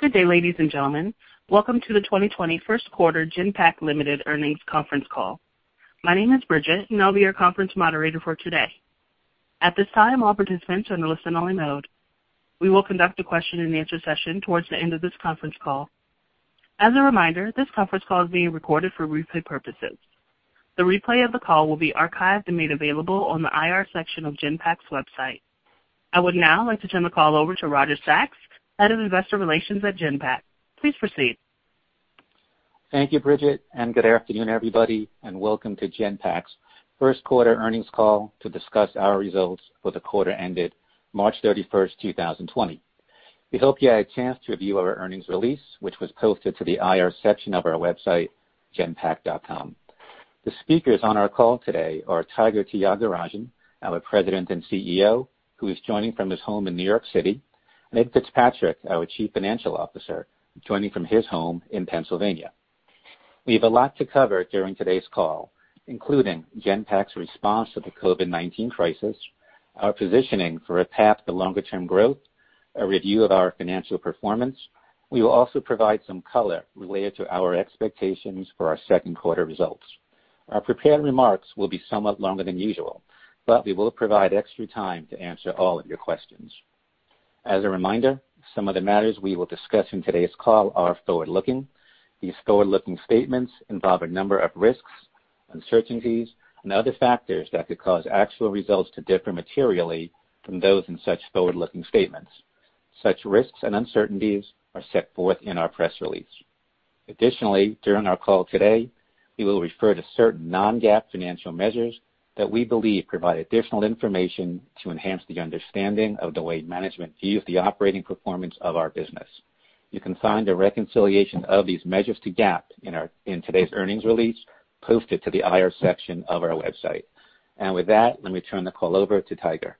Good day, ladies and gentlemen. Welcome to the 2020 first quarter Genpact Limited earnings conference call. My name is Bridget, and I'll be your conference moderator for today. At this time, all participants are in listen-only mode. We will conduct a question-and-answer session towards the end of this conference call. As a reminder, this conference call is being recorded for replay purposes. The replay of the call will be archived and made available on the IR section of Genpact's website. I would now like to turn the call over to Roger Sachs, Head of Investor Relations at Genpact. Please proceed. Thank you, Bridget, and good afternoon, everybody, and welcome to Genpact's first quarter earnings call to discuss our results for the quarter ended March 31st, 2020. We hope you had a chance to review our earnings release, which was posted to the IR section of our website, genpact.com. The speakers on our call today are Tiger Tyagarajan, our President and CEO, who is joining from his home in New York City, and Ed Fitzpatrick, our Chief Financial Officer, joining from his home in Pennsylvania. We have a lot to cover during today's call, including Genpact's response to the COVID-19 crisis, our positioning for a path to longer-term growth, a review of our financial performance. We will also provide some color related to our expectations for our second quarter results. Our prepared remarks will be somewhat longer than usual. We will provide extra time to answer all of your questions. As a reminder, some of the matters we will discuss in today's call are forward-looking. These forward-looking statements involve a number of risks, uncertainties, and other factors that could cause actual results to differ materially from those in such forward-looking statements. Such risks and uncertainties are set forth in our press release. Additionally, during our call today, we will refer to certain non-GAAP financial measures that we believe provide additional information to enhance the understanding of the way management views the operating performance of our business. You can find a reconciliation of these measures to GAAP in today's earnings release posted to the IR section of our website. With that, let me turn the call over to Tiger.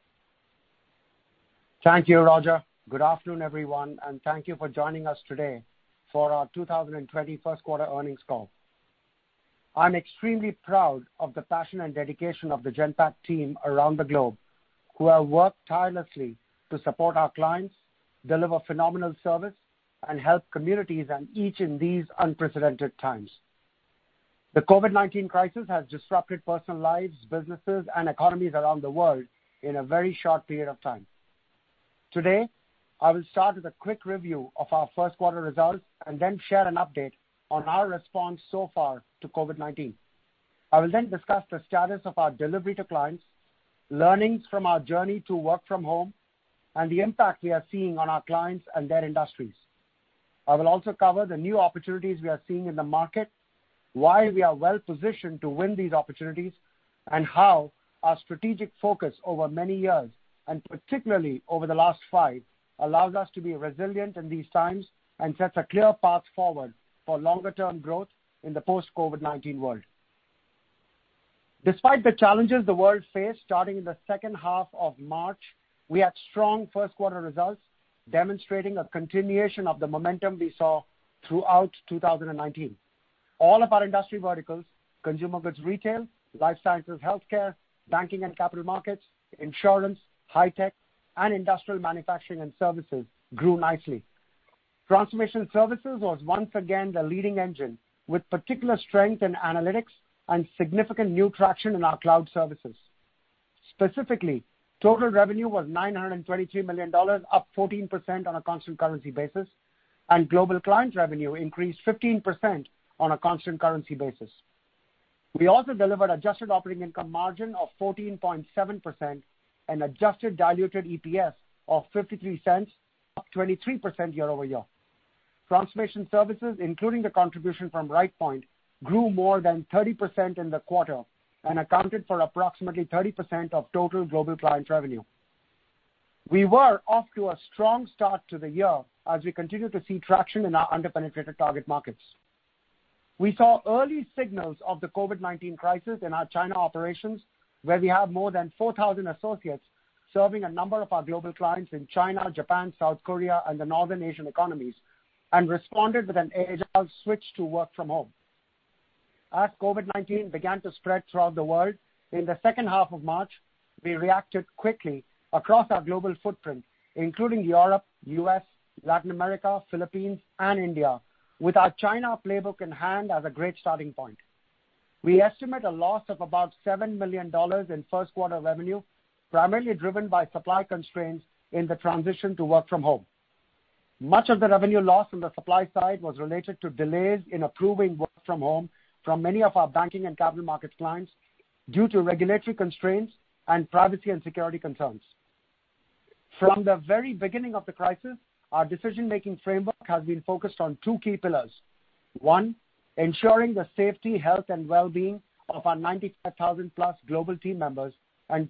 Thank you, Roger. Good afternoon, everyone, thank you for joining us today for our 2020 first quarter earnings call. I'm extremely proud of the passion and dedication of the Genpact team around the globe who have worked tirelessly to support our clients, deliver phenomenal service, and help communities and each in these unprecedented times. The COVID-19 crisis has disrupted personal lives, businesses, and economies around the world in a very short period of time. Today, I will start with a quick review of our first quarter results and then share an update on our response so far to COVID-19. I will discuss the status of our delivery to clients, learnings from our journey to work from home, and the impact we are seeing on our clients and their industries. I will also cover the new opportunities we are seeing in the market, why we are well-positioned to win these opportunities, and how our strategic focus over many years, and particularly over the last five, allows us to be resilient in these times and sets a clear path forward for longer term growth in the post-COVID-19 world. Despite the challenges the world faced starting in the second half of March, we had strong first quarter results demonstrating a continuation of the momentum we saw throughout 2019. All of our industry verticals, consumer goods, retail, life sciences, healthcare, banking and capital markets, insurance, high tech, and industrial manufacturing and services, grew nicely. Transformation Services was once again the leading engine, with particular strength in analytics and significant new traction in our cloud services. Specifically, total revenue was $923 million, up 14% on a constant currency basis, and global client revenue increased 15% on a constant currency basis. We also delivered adjusted operating income margin of 14.7% and adjusted diluted EPS of $0.53, up 23% year-over-year. Transformation Services, including the contribution from Rightpoint, grew more than 30% in the quarter and accounted for approximately 30% of total global client revenue. We were off to a strong start to the year as we continued to see traction in our under-penetrated target markets. We saw early signals of the COVID-19 crisis in our China operations, where we have more than 4,000 associates serving a number of our global clients in China, Japan, South Korea, and the Northern Asian economies, and responded with an agile switch to work from home. As COVID-19 began to spread throughout the world in the second half of March, we reacted quickly across our global footprint, including Europe, U.S., Latin America, Philippines, and India with our China playbook in hand as a great starting point. We estimate a loss of about $7 million in first quarter revenue, primarily driven by supply constraints in the transition to work from home. Much of the revenue loss on the supply side was related to delays in approving work from home from many of our banking and capital markets clients due to regulatory constraints and privacy and security concerns. From the very beginning of the crisis, our decision-making framework has been focused on two key pillars. One, ensuring the safety, health, and well-being of our 95,000+ global team members.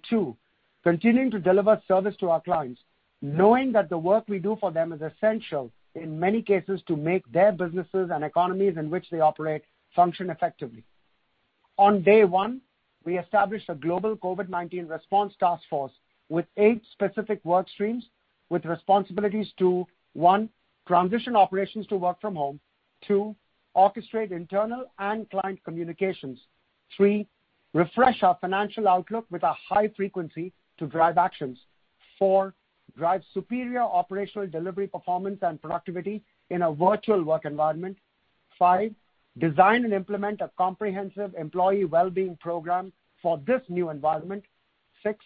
Two, continuing to deliver service to our clients, knowing that the work we do for them is essential in many cases to make their businesses and economies in which they operate function effectively. On day one, we established a global COVID-19 response task force with eight specific work streams with responsibilities to, one, transition operations to work from home. Two, orchestrate internal and client communications. Three, refresh our financial outlook with a high frequency to drive actions. Four, drive superior operational delivery performance and productivity in a virtual work environment. Five, design and implement a comprehensive employee wellbeing program for this new environment. Six,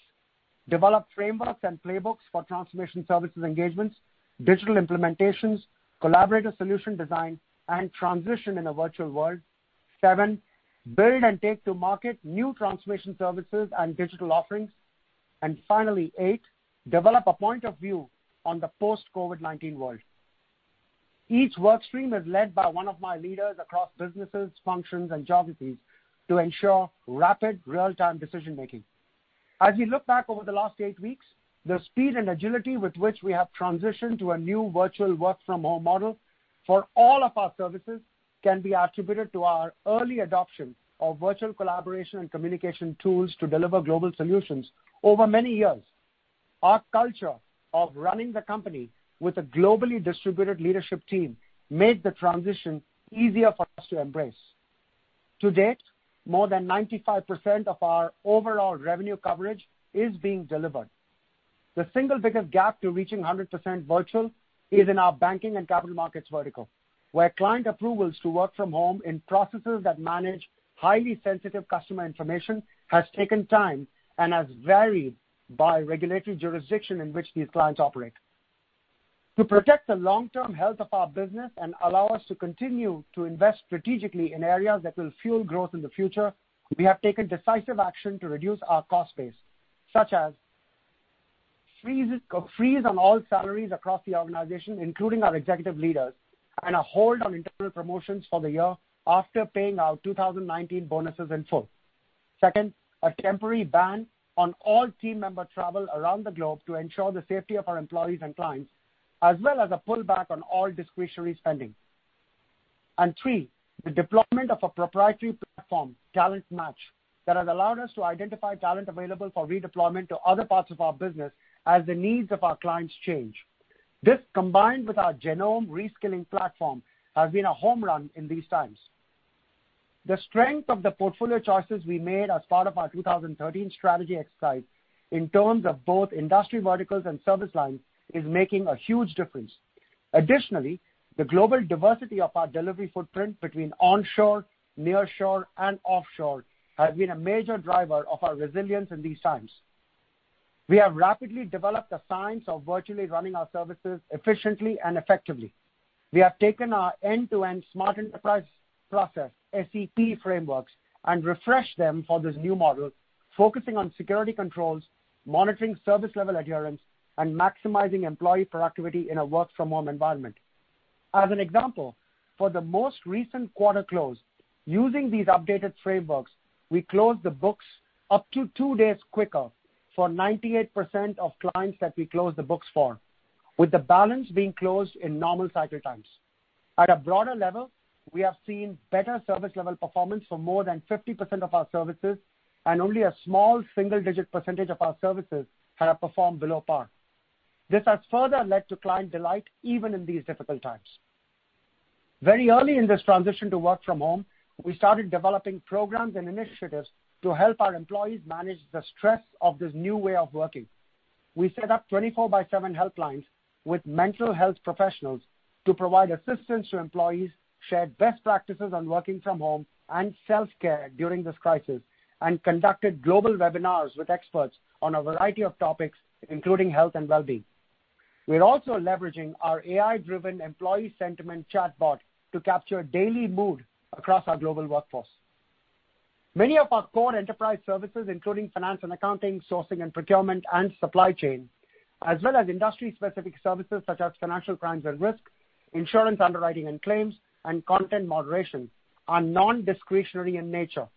develop frameworks and playbooks for Transformation Services engagements, digital implementations, collaborative solution design, and transition in a virtual world. Seven, build and take to market new transformation services and digital offerings. Eight, develop a point of view on the post-COVID-19 world. Each work stream is led by one of my leaders across businesses, functions, and geographies to ensure rapid real-time decision-making. As we look back over the last eight weeks, the speed and agility with which we have transitioned to a new virtual work from home model for all of our services can be attributed to our early adoption of virtual collaboration and communication tools to deliver global solutions over many years. Our culture of running the company with a globally distributed leadership team made the transition easier for us to embrace. To date, more than 95% of our overall revenue coverage is being delivered. The single biggest gap to reaching 100% virtual is in our banking and capital markets vertical, where client approvals to work from home in processes that manage highly sensitive customer information has taken time and has varied by regulatory jurisdiction in which these clients operate. To protect the long-term health of our business and allow us to continue to invest strategically in areas that will fuel growth in the future, we have taken decisive action to reduce our cost base, such as a freeze on all salaries across the organization, including our executive leaders, and a hold on internal promotions for the year after paying out 2019 bonuses in full. Second, a temporary ban on all team member travel around the globe to ensure the safety of our employees and clients, as well as a pullback on all discretionary spending. Three, the deployment of a proprietary platform, TalentMatch, that has allowed us to identify talent available for redeployment to other parts of our business as the needs of our clients change. This, combined with our Genome reskilling platform, has been a home run in these times. The strength of the portfolio choices we made as part of our 2013 strategy exercise in terms of both industry verticals and service lines is making a huge difference. Additionally, the global diversity of our delivery footprint between onshore, nearshore, and offshore has been a major driver of our resilience in these times. We have rapidly developed a science of virtually running our services efficiently and effectively. We have taken our end-to-end Smart Enterprise Processes, SEP frameworks, and refreshed them for this new model, focusing on security controls, monitoring service level adherence, and maximizing employee productivity in a work from home environment. As an example, for the most recent quarter close, using these updated frameworks, we closed the books up to two days quicker for 98% of clients that we closed the books for, with the balance being closed in normal cycle times. At a broader level, we have seen better service level performance for more than 50% of our services, and only a small single-digit percentage of our services have performed below par. This has further led to client delight, even in these difficult times. Very early in this transition to work from home, we started developing programs and initiatives to help our employees manage the stress of this new way of working. We set up 24/7 helplines with mental health professionals to provide assistance to employees, shared best practices on working from home and self-care during this crisis, and conducted global webinars with experts on a variety of topics, including health and wellbeing. We are also leveraging our AI-driven employee sentiment chatbot to capture daily mood across our global workforce. Many of our core enterprise services, including finance and accounting, sourcing and procurement, and supply chain, as well as industry-specific services such as financial crimes and risk, insurance underwriting and claims, and content moderation, are non-discretionary in nature.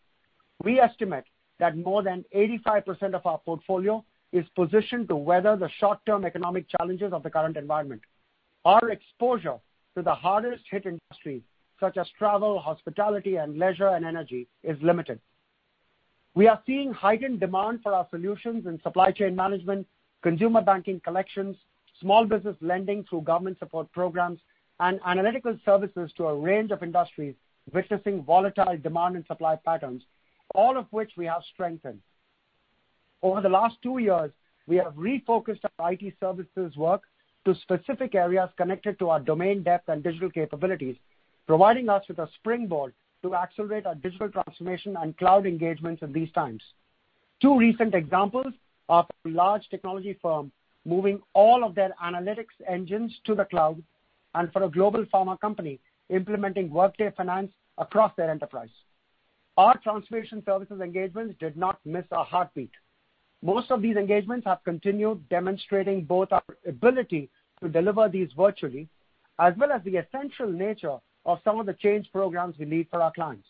We estimate that more than 85% of our portfolio is positioned to weather the short-term economic challenges of the current environment. Our exposure to the hardest hit industries, such as travel, hospitality, and leisure and energy, is limited. We are seeing heightened demand for our solutions in supply chain management, consumer banking collections, small business lending through government support programs, and analytical services to a range of industries witnessing volatile demand and supply patterns, all of which we have strengthened. Over the last two years, we have refocused our IT services work to specific areas connected to our domain depth and digital capabilities, providing us with a springboard to accelerate our digital transformation and cloud engagements in these times. Two recent examples are a large technology firm moving all of their analytics engines to the cloud, and for a global pharma company, implementing Workday finance across their enterprise. Our Transformation Services engagements did not miss a heartbeat. Most of these engagements have continued demonstrating both our ability to deliver these virtually, as well as the essential nature of some of the change programs we lead for our clients.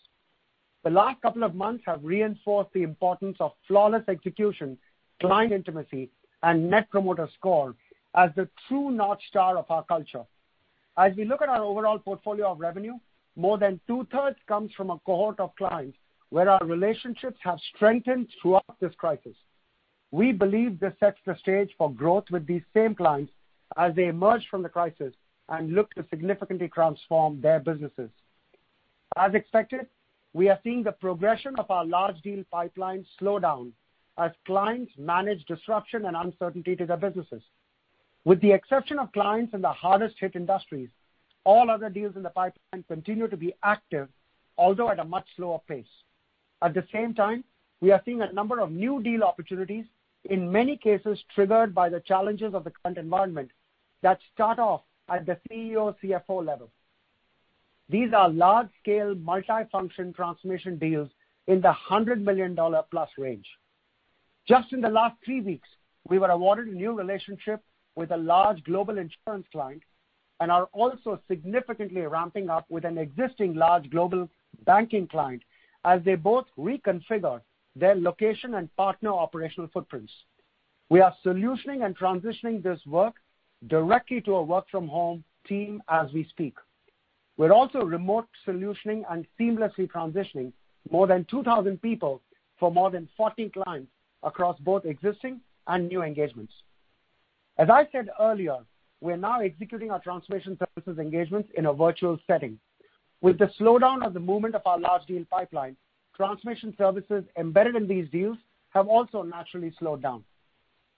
The last couple of months have reinforced the importance of flawless execution, client intimacy, and Net Promoter Score as the true North Star of our culture. As we look at our overall portfolio of revenue, more than two-thirds comes from a cohort of clients where our relationships have strengthened throughout this crisis. We believe this sets the stage for growth with these same clients as they emerge from the crisis and look to significantly transform their businesses. As expected, we are seeing the progression of our large deal pipeline slow down as clients manage disruption and uncertainty to their businesses. With the exception of clients in the hardest hit industries, all other deals in the pipeline continue to be active, although at a much slower pace. At the same time, we are seeing a number of new deal opportunities, in many cases triggered by the challenges of the current environment that start off at the CEO, CFO level. These are large-scale, multifunction transformation deals in the $100+ million range. Just in the last three weeks, we were awarded a new relationship with a large global insurance client, and are also significantly ramping up with an existing large global banking client as they both reconfigure their location and partner operational footprints. We are solutioning and transitioning this work directly to a work-from-home team as we speak. We're also remote solutioning and seamlessly transitioning more than 2,000 people for more than 40 clients across both existing and new engagements. As I said earlier, we are now executing our Transformation Services engagements in a virtual setting. With the slowdown of the movement of our large deal pipeline, Transformation Services embedded in these deals have also naturally slowed down.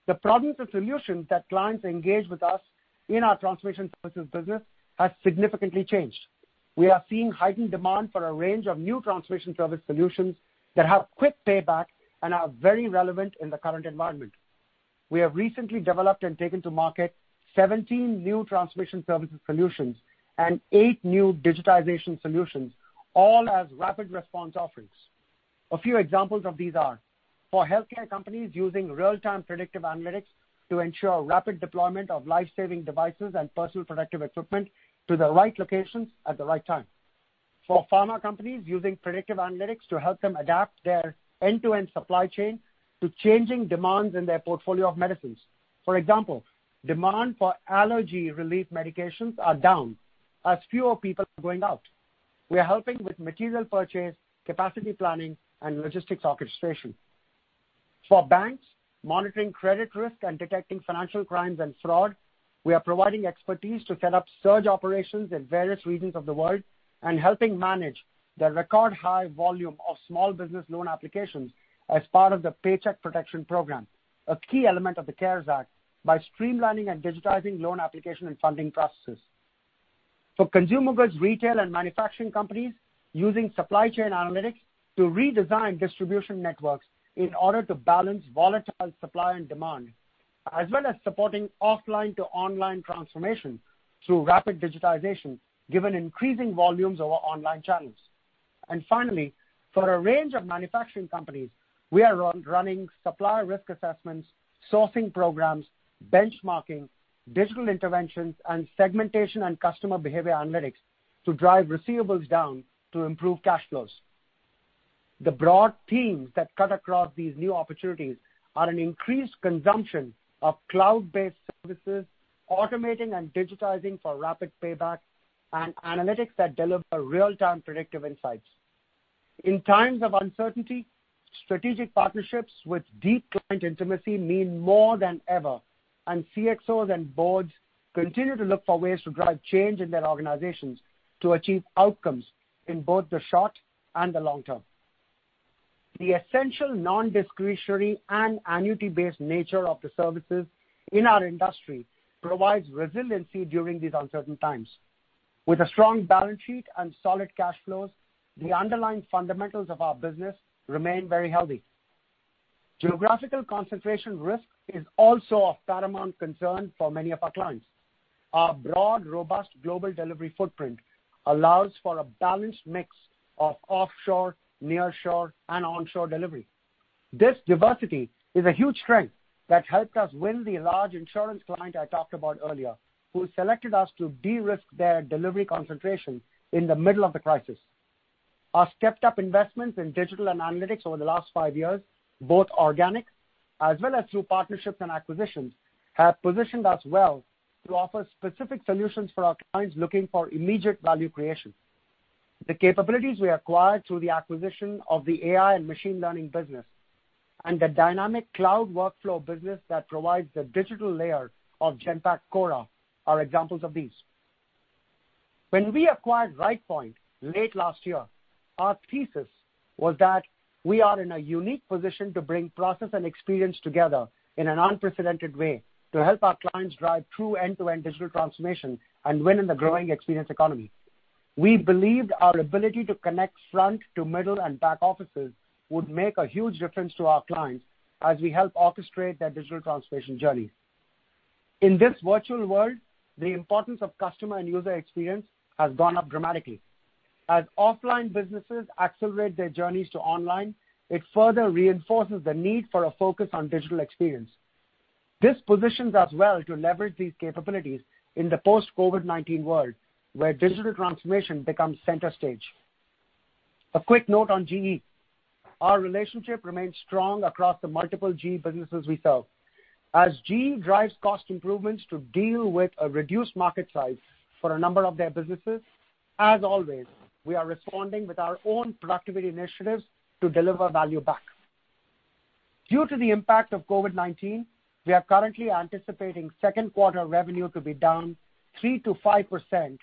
The problems and solutions that clients engage with us in our Transformation Services business has significantly changed. We are seeing heightened demand for a range of new Transformation Service solutions that have quick payback and are very relevant in the current environment. We have recently developed and taken to market 17 new Transformation Services solutions and eight new digitization solutions, all as rapid response offerings. A few examples of these are, for healthcare companies using real-time predictive analytics to ensure rapid deployment of life-saving devices and personal protective equipment to the right locations at the right time. For pharma companies using predictive analytics to help them adapt their end-to-end supply chain to changing demands in their portfolio of medicines. For example, demand for allergy relief medications are down as fewer people are going out. We are helping with material purchase, capacity planning, and logistics orchestration. For banks monitoring credit risk and detecting financial crimes and fraud, we are providing expertise to set up surge operations in various regions of the world and helping manage the record high volume of small business loan applications as part of the Paycheck Protection Program, a key element of the CARES Act, by streamlining and digitizing loan application and funding processes. For consumer goods, retail, and manufacturing companies using supply chain analytics to redesign distribution networks in order to balance volatile supply and demand, as well as supporting offline-to-online transformation through rapid digitization, given increasing volumes over online channels. Finally, for a range of manufacturing companies, we are running supplier risk assessments, sourcing programs, benchmarking, digital interventions, and segmentation and customer behavior analytics to drive receivables down to improve cash flows. The broad themes that cut across these new opportunities are an increased consumption of cloud-based services, automating and digitizing for rapid payback, and analytics that deliver real-time predictive insights. In times of uncertainty, strategic partnerships with deep client intimacy mean more than ever, and CXOs and Boards continue to look for ways to drive change in their organizations to achieve outcomes in both the short and the long term. The essential non-discretionary and annuity-based nature of the services in our industry provides resiliency during these uncertain times. With a strong balance sheet and solid cash flows, the underlying fundamentals of our business remain very healthy. Geographical concentration risk is also of paramount concern for many of our clients. Our broad, robust global delivery footprint allows for a balanced mix of offshore, nearshore, and onshore delivery. This diversity is a huge strength that helped us win the large insurance client I talked about earlier, who selected us to de-risk their delivery concentration in the middle of the crisis. Our stepped-up investments in digital and analytics over the last five years, both organic as well as through partnerships and acquisitions, have positioned us well to offer specific solutions for our clients looking for immediate value creation. The capabilities we acquired through the acquisition of the AI and machine learning business and the dynamic cloud workflow business that provides the digital layer of Genpact Cora are examples of these. When we acquired Rightpoint late last year, our thesis was that we are in a unique position to bring process and experience together in an unprecedented way to help our clients drive true end-to-end digital transformation and win in the growing experience economy. We believed our ability to connect front to middle and back offices would make a huge difference to our clients as we help orchestrate their digital transformation journey. In this virtual world, the importance of customer and user experience has gone up dramatically. As offline businesses accelerate their journeys to online, it further reinforces the need for a focus on digital experience. This positions us well to leverage these capabilities in the post-COVID-19 world, where digital transformation becomes center stage. A quick note on GE. Our relationship remains strong across the multiple GE businesses we serve. As GE drives cost improvements to deal with a reduced market size for a number of their businesses, as always, we are responding with our own productivity initiatives to deliver value back. Due to the impact of COVID-19, we are currently anticipating second quarter revenue to be down 3%-5%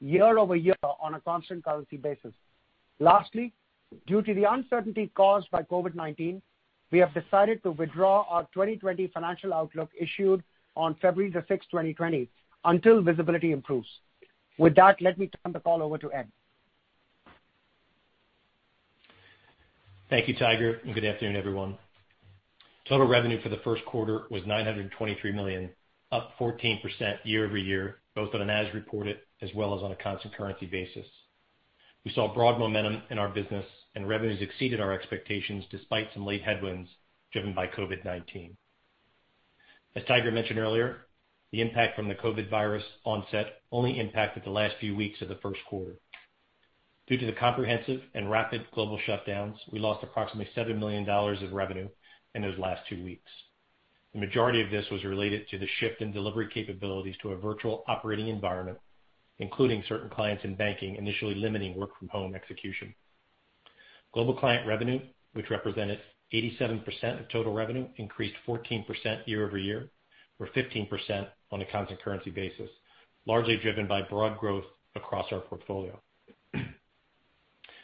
year-over-year on a constant currency basis. Lastly, due to the uncertainty caused by COVID-19, we have decided to withdraw our 2020 financial outlook issued on February the 6th, 2020, until visibility improves. With that, let me turn the call over to Ed. Thank you, Tiger, and good afternoon, everyone. Total revenue for the first quarter was $923 million, up 14% year-over-year, both on an as reported as well as on a constant currency basis. We saw broad momentum in our business and revenues exceeded our expectations despite some late headwinds driven by COVID-19. As Tiger mentioned earlier, the impact from the COVID virus onset only impacted the last few weeks of the first quarter. Due to the comprehensive and rapid global shutdowns, we lost approximately $7 million of revenue in those last two weeks. The majority of this was related to the shift in delivery capabilities to a virtual operating environment, including certain clients in banking, initially limiting work-from-home execution. Global client revenue, which represented 87% of total revenue, increased 14% year-over-year, or 15% on a constant currency basis, largely driven by broad growth across our portfolio.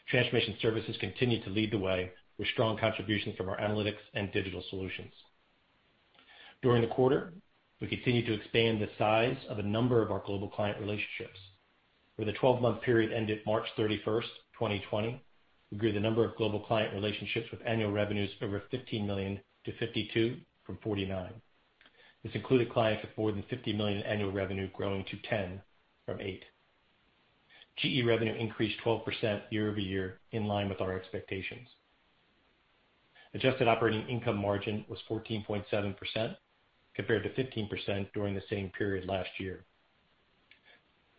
Transformation Services continued to lead the way with strong contributions from our analytics and digital solutions. During the quarter, we continued to expand the size of a number of our global client relationships. For the 12-month period ended March 31st, 2020, we grew the number of global client relationships with annual revenues over $15 million to 52 from 49. This included clients with more than $50 million annual revenue growing to 10 from 8. GE revenue increased 12% year-over-year in line with our expectations. Adjusted operating income margin was 14.7% compared to 15% during the same period last year.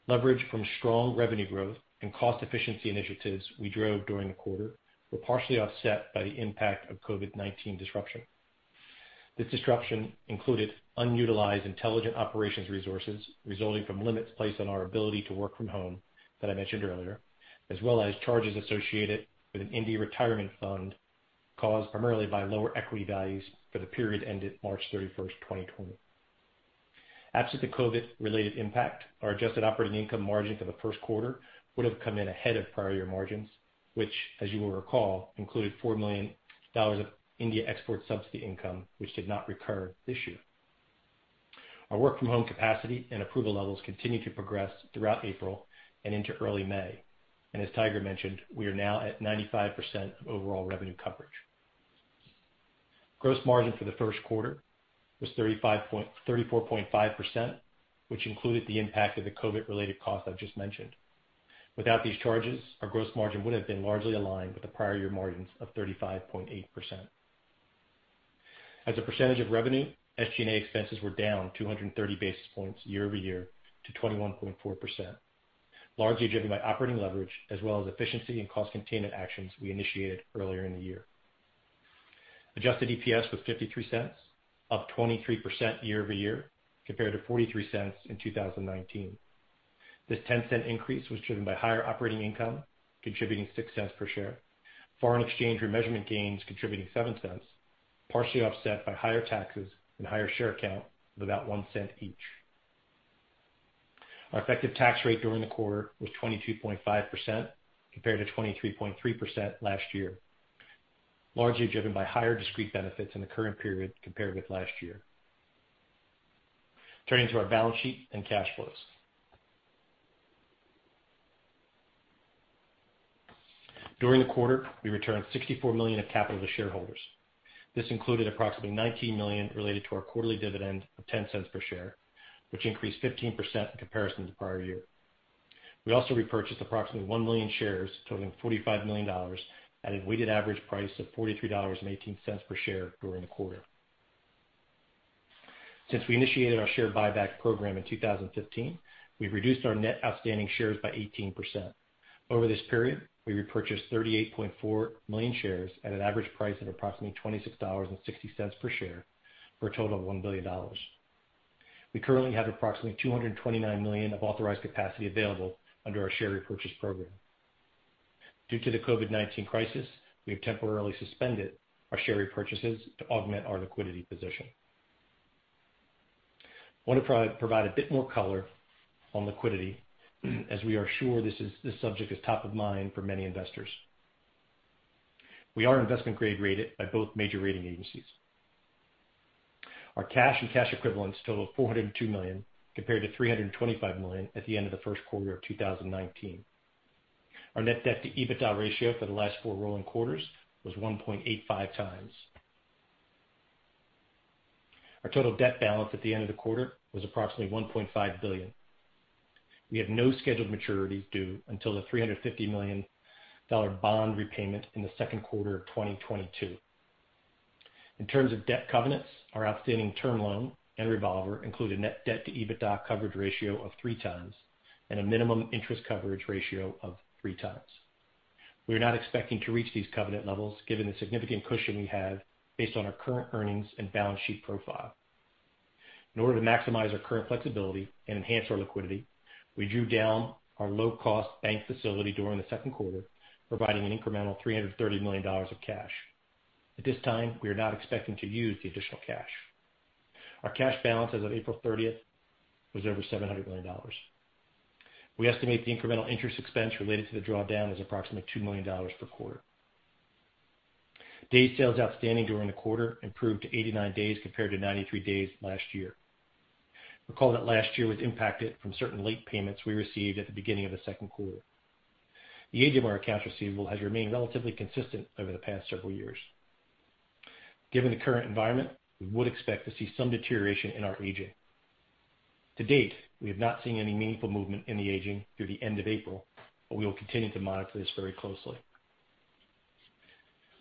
Leverage from strong revenue growth and cost efficiency initiatives we drove during the quarter were partially offset by the impact of COVID-19 disruption. This disruption included unutilized intelligent operations resources resulting from limits placed on our ability to work from home, that I mentioned earlier, as well as charges associated with an India retirement fund caused primarily by lower equity values for the period ended March 31st, 2020. Absent the COVID-related impact, our adjusted operating income margin for the first quarter would have come in ahead of prior year margins, which, as you will recall, included $4 million of India export subsidy income, which did not recur this year. Our work-from-home capacity and approval levels continued to progress throughout April and into early May. As Tiger mentioned, we are now at 95% of overall revenue coverage. Gross margin for the first quarter was 34.5%, which included the impact of the COVID-related cost I've just mentioned. Without these charges, our gross margin would have been largely aligned with the prior year margins of 35.8%. As a percentage of revenue, SG&A expenses were down 230 basis points year-over-year to 21.4%, largely driven by operating leverage as well as efficiency and cost containment actions we initiated earlier in the year. Adjusted EPS was $0.53, up 23% year-over-year, compared to $0.43 in 2019. This $0.10 increase was driven by higher operating income, contributing $0.06 per share. Foreign exchange remeasurement gains contributing $0.07, partially offset by higher taxes and higher share count of about $0.01 each. Our effective tax rate during the quarter was 22.5% compared to 23.3% last year, largely driven by higher discrete benefits in the current period compared with last year. Turning to our balance sheet and cash flows. During the quarter, we returned $64 million of capital to shareholders. This included approximately $19 million related to our quarterly dividend of $0.10 per share, which increased 15% in comparison to prior year. We also repurchased approximately 1 million shares totaling $45 million at a weighted average price of $43.18 per share during the quarter. Since we initiated our share buyback program in 2015, we've reduced our net outstanding shares by 18%. Over this period, we repurchased 38.4 million shares at an average price of approximately $26.60 per share for a total of $1 billion. We currently have approximately $229 million of authorized capacity available under our share repurchase program. Due to the COVID-19 crisis, we have temporarily suspended our share repurchases to augment our liquidity position. We want to provide a bit more color on liquidity, as we are sure this subject is top of mind for many investors. We are investment grade rated by both major rating agencies. Our cash and cash equivalents total of $402 million, compared to $325 million at the end of the first quarter of 2019. Our net debt to EBITDA ratio for the last four rolling quarters was 1.85x. Our total debt balance at the end of the quarter was approximately $1.5 billion. We have no scheduled maturities due until the $350 million bond repayment in the second quarter of 2022. In terms of debt covenants, our outstanding term loan and revolver include a net debt to EBITDA coverage ratio of 3x and a minimum interest coverage ratio of 3x. We are not expecting to reach these covenant levels given the significant cushion we have based on our current earnings and balance sheet profile. In order to maximize our current flexibility and enhance our liquidity, we drew down our low-cost bank facility during the second quarter, providing an incremental $330 million of cash. At this time, we are not expecting to use the additional cash. Our cash balance as of April 30th was over $700 million. We estimate the incremental interest expense related to the drawdown was approximately $2 million per quarter. Day sales outstanding during the quarter improved to 89 days compared to 93 days last year. Recall that last year was impacted from certain late payments we received at the beginning of the second quarter. The age of our accounts receivable has remained relatively consistent over the past several years. Given the current environment, we would expect to see some deterioration in our aging. To date, we have not seen any meaningful movement in the aging through the end of April, but we will continue to monitor this very closely.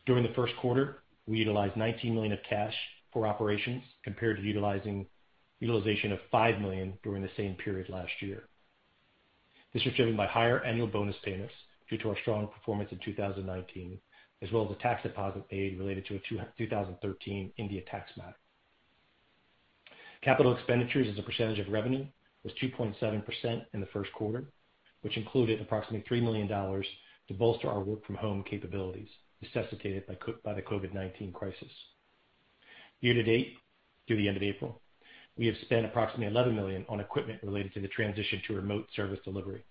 During the first quarter, we utilized $19 million of cash for operations compared to utilization of $5 million during the same period last year. This was driven by higher annual bonus payments due to our strong performance in 2019, as well as a tax deposit paid related to a 2013 India tax matter. Capital expenditures as a percentage of revenue was 2.7% in the first quarter, which included approximately $3 million to bolster our work-from-home capabilities necessitated by the COVID-19 crisis. Year-to-date, through the end of April, we have spent approximately $11 million on equipment related to the transition to remote service delivery.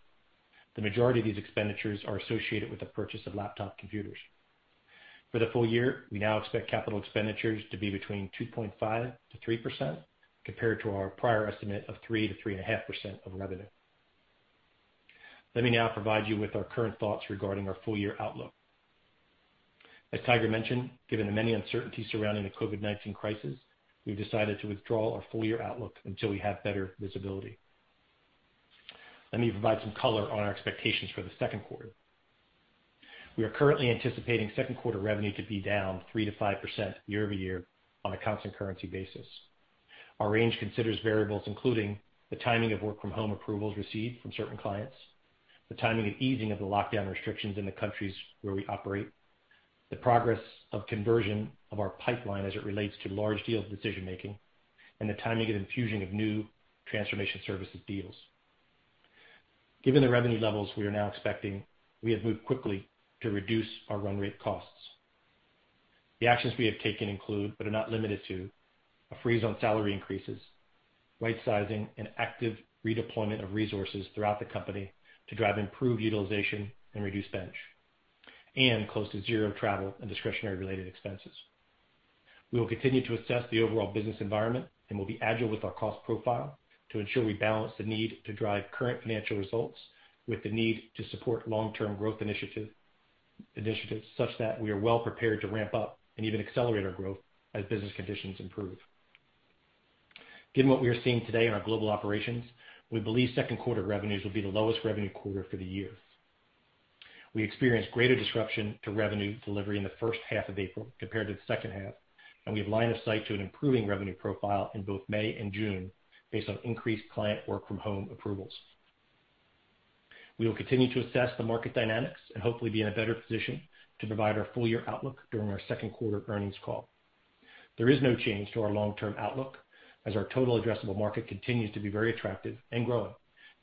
The majority of these expenditures are associated with the purchase of laptop computers. For the full year, we now expect capital expenditures to be between 2.5%-3%, compared to our prior estimate of 3%-3.5% of revenue. Let me now provide you with our current thoughts regarding our full-year outlook. As Tiger mentioned, given the many uncertainties surrounding the COVID-19 crisis, we've decided to withdraw our full-year outlook until we have better visibility. Let me provide some color on our expectations for the second quarter. We are currently anticipating second quarter revenue to be down 3%-5% year-over-year on a constant currency basis. Our range considers variables including the timing of work-from-home approvals received from certain clients, the timing and easing of the lockdown restrictions in the countries where we operate, the progress of conversion of our pipeline as it relates to large deals decision-making, and the timing and infusion of new transformation services deals. Given the revenue levels we are now expecting, we have moved quickly to reduce our run rate costs. The actions we have taken include, but are not limited to, a freeze on salary increases, right sizing and active redeployment of resources throughout the company to drive improved utilization and reduce bench, and close to zero travel and discretionary related expenses. We will continue to assess the overall business environment and will be agile with our cost profile to ensure we balance the need to drive current financial results with the need to support long-term growth initiatives such that we are well prepared to ramp up and even accelerate our growth as business conditions improve. Given what we are seeing today in our global operations, we believe second quarter revenues will be the lowest revenue quarter for the year. We experienced greater disruption to revenue delivery in the first half of April compared to the second half, and we have line of sight to an improving revenue profile in both May and June based on increased client work-from-home approvals. We will continue to assess the market dynamics and hopefully be in a better position to provide our full-year outlook during our second quarter earnings call. There is no change to our long-term outlook as our total addressable market continues to be very attractive and growing,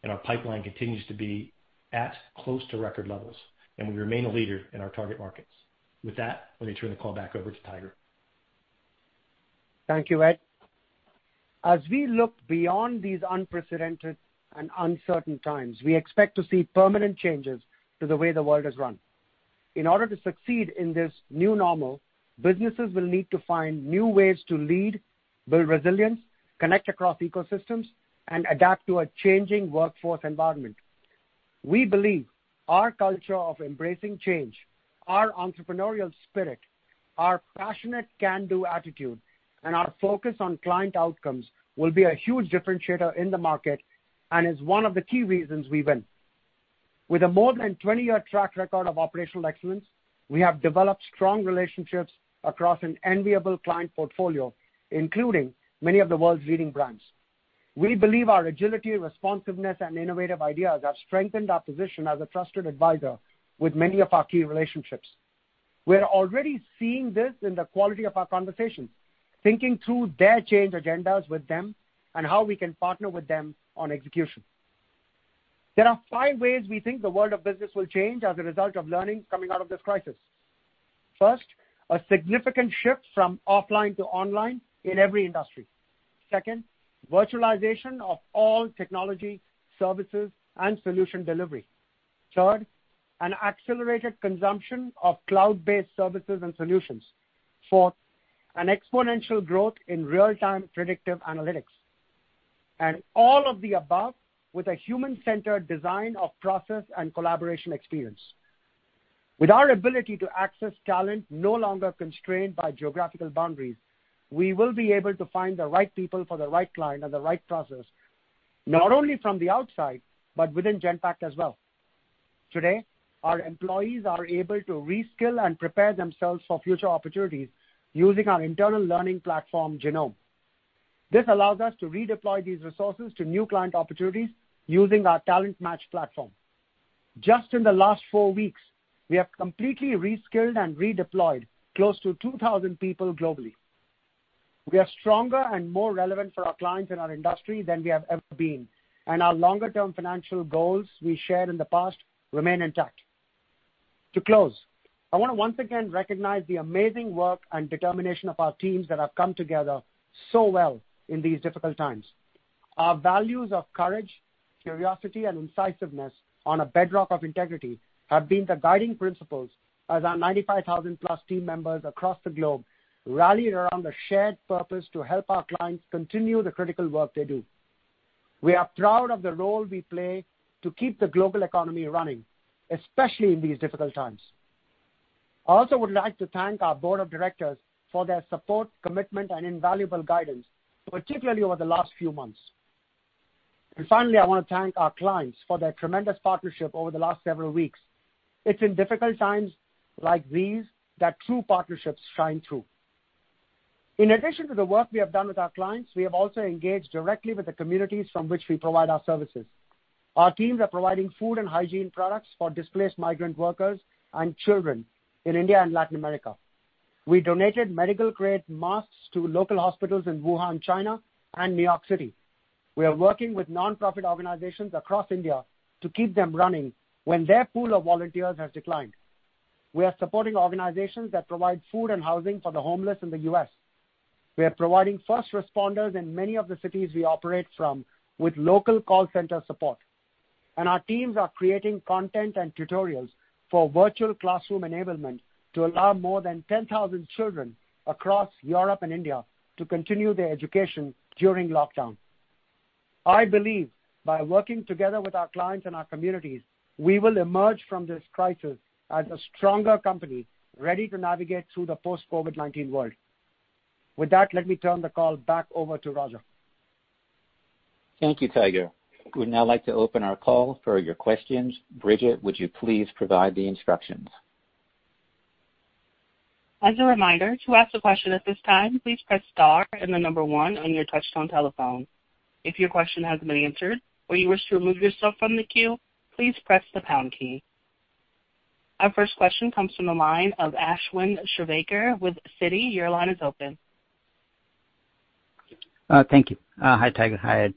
and our pipeline continues to be at close to record levels, and we remain a leader in our target markets. With that, let me turn the call back over to Tiger. Thank you, Ed. As we look beyond these unprecedented and uncertain times, we expect to see permanent changes to the way the world is run. In order to succeed in this new normal, businesses will need to find new ways to lead, build resilience, connect across ecosystems, and adapt to a changing workforce environment. We believe our culture of embracing change, our entrepreneurial spirit, our passionate can-do attitude, and our focus on client outcomes will be a huge differentiator in the market and is one of the key reasons we win. With a more than 20-year track record of operational excellence, we have developed strong relationships across an enviable client portfolio, including many of the world's leading brands. We believe our agility, responsiveness, and innovative ideas have strengthened our position as a trusted advisor with many of our key relationships. We are already seeing this in the quality of our conversations, thinking through their change agendas with them, and how we can partner with them on execution. There are five ways we think the world of business will change as a result of learnings coming out of this crisis. First, a significant shift from offline to online in every industry. Second, virtualization of all technology, services, and solution delivery. Third, an accelerated consumption of cloud-based services and solutions. Fourth, an exponential growth in real-time predictive analytics. All of the above with a human-centered design of process and collaboration experience. With our ability to access talent no longer constrained by geographical boundaries, we will be able to find the right people for the right client and the right process, not only from the outside, but within Genpact as well. Today, our employees are able to reskill and prepare themselves for future opportunities using our internal learning platform, Genome. This allows us to redeploy these resources to new client opportunities using our TalentMatch platform. Just in the last four weeks, we have completely reskilled and redeployed close to 2,000 people globally. We are stronger and more relevant for our clients and our industry than we have ever been, and our longer-term financial goals we shared in the past remain intact. To close, I want to once again recognize the amazing work and determination of our teams that have come together so well in these difficult times. Our values of courage, curiosity, and incisiveness on a bedrock of integrity have been the guiding principles as our 95,000+ team members across the globe rallied around a shared purpose to help our clients continue the critical work they do. We are proud of the role we play to keep the global economy running, especially in these difficult times. I also would like to thank our Board of Directors for their support, commitment, and invaluable guidance, particularly over the last few months. Finally, I want to thank our clients for their tremendous partnership over the last several weeks. It's in difficult times like these that true partnerships shine through. In addition to the work we have done with our clients, we have also engaged directly with the communities from which we provide our services. Our teams are providing food and hygiene products for displaced migrant workers and children in India and Latin America. We donated medical-grade masks to local hospitals in Wuhan, China, and New York City. We are working with nonprofit organizations across India to keep them running when their pool of volunteers has declined. We are supporting organizations that provide food and housing for the homeless in the U.S. We are providing first responders in many of the cities we operate from with local call center support. Our teams are creating content and tutorials for virtual classroom enablement to allow more than 10,000 children across Europe and India to continue their education during lockdown. I believe by working together with our clients and our communities, we will emerge from this crisis as a stronger company, ready to navigate through the post-COVID-19 world. With that, let me turn the call back over to Roger. Thank you, Tiger. We would now like to open our call for your questions. Bridget, would you please provide the instructions? As a reminder, to ask a question at this time, please press star and the number one on your touchtone telephone. If your question has been answered or you wish to remove yourself from the queue, please press the pound key. Our first question comes from the line of Ashwin Shirvaikar with Citi. Your line is open. Thank you. Hi, Tiger. Hi, Ed.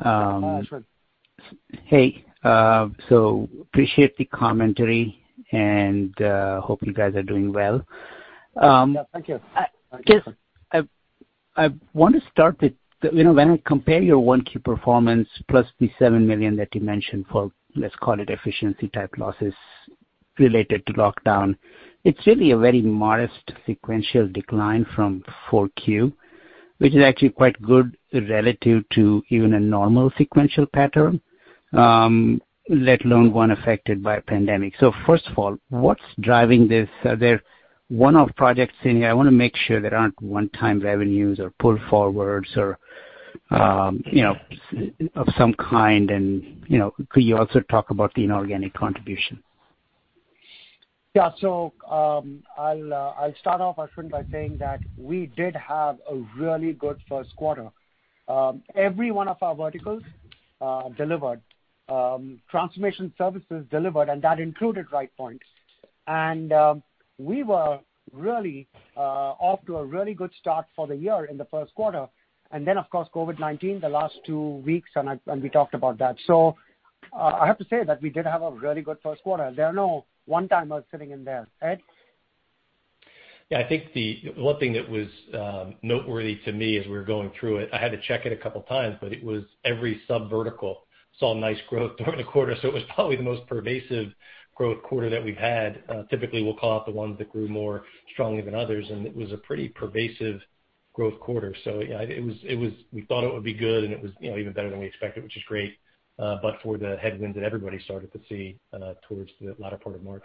Hi, Ashwin. Hey. Appreciate the commentary and hope you guys are doing well. Yeah, thank you. I guess I want to start with, when I compare your 1Q performance plus the $7 million that you mentioned for, let's call it efficiency type losses related to lockdown, it's really a very modest sequential decline from 4Q, which is actually quite good relative to even a normal sequential pattern, let alone one affected by a pandemic. First of all, what's driving this? Are there one-off projects in here? I want to make sure there aren't one-time revenues or pull forwards or of some kind. Could you also talk about the inorganic contribution? Yeah. I'll start off, Ashwin, by saying that we did have a really good first quarter. Every one of our verticals delivered. Transformation Services delivered, and that included Rightpoint. We were off to a really good start for the year in the first quarter. Then, of course, COVID-19, the last two weeks, and we talked about that. I have to say that we did have a really good first quarter. There are no one-timers sitting in there. Ed? Yeah. I think the one thing that was noteworthy to me as we were going through it, I had to check it a couple times, but it was every sub-vertical saw nice growth during the quarter, so it was probably the most pervasive growth quarter that we've had. Typically, we'll call out the ones that grew more strongly than others, and it was a pretty pervasive growth quarter. Yeah, we thought it would be good, and it was even better than we expected, which is great, but for the headwinds that everybody started to see towards the latter part of March.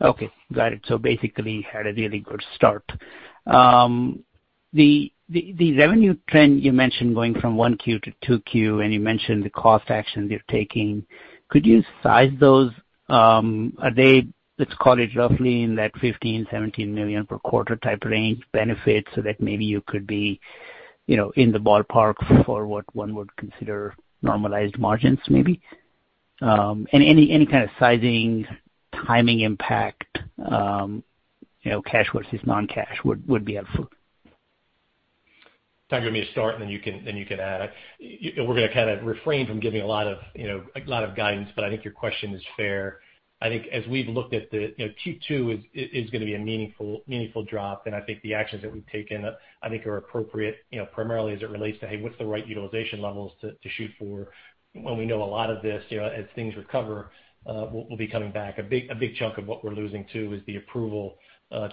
Okay. Got it. Basically had a really good start. The revenue trend you mentioned going from 1Q to 2Q, and you mentioned the cost actions you're taking, could you size those? Are they, let's call it roughly in that $15 million-$17 million per quarter type range benefit, so that maybe you could be in the ballpark for what one would consider normalized margins maybe? Any kind of sizing, timing impact, cash versus non-cash would be helpful. Tiger, you want me to start, and then you can add? We're going to kind of refrain from giving a lot of guidance, but I think your question is fair. I think as we've looked at the Q2 is going to be a meaningful drop, and I think the actions that we've taken, I think, are appropriate, primarily as it relates to, hey, what's the right utilization levels to shoot for when we know a lot of this as things recover will be coming back. A big chunk of what we're losing too is the approval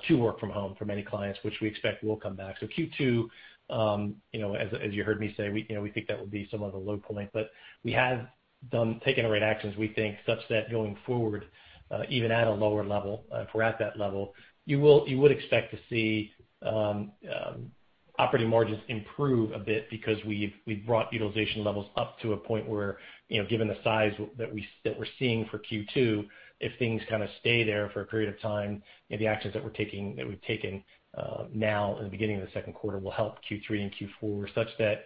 to work from home for many clients, which we expect will come back. Q2, as you heard me say, we think that will be somewhat of a low point. We have taken the right actions, we think, such that going forward, even at a lower level, if we're at that level, you would expect to see operating margins improve a bit because we've brought utilization levels up to a point where, given the size that we're seeing for Q2, if things stay there for a period of time, the actions that we've taken now in the beginning of the second quarter will help Q3 and Q4 such that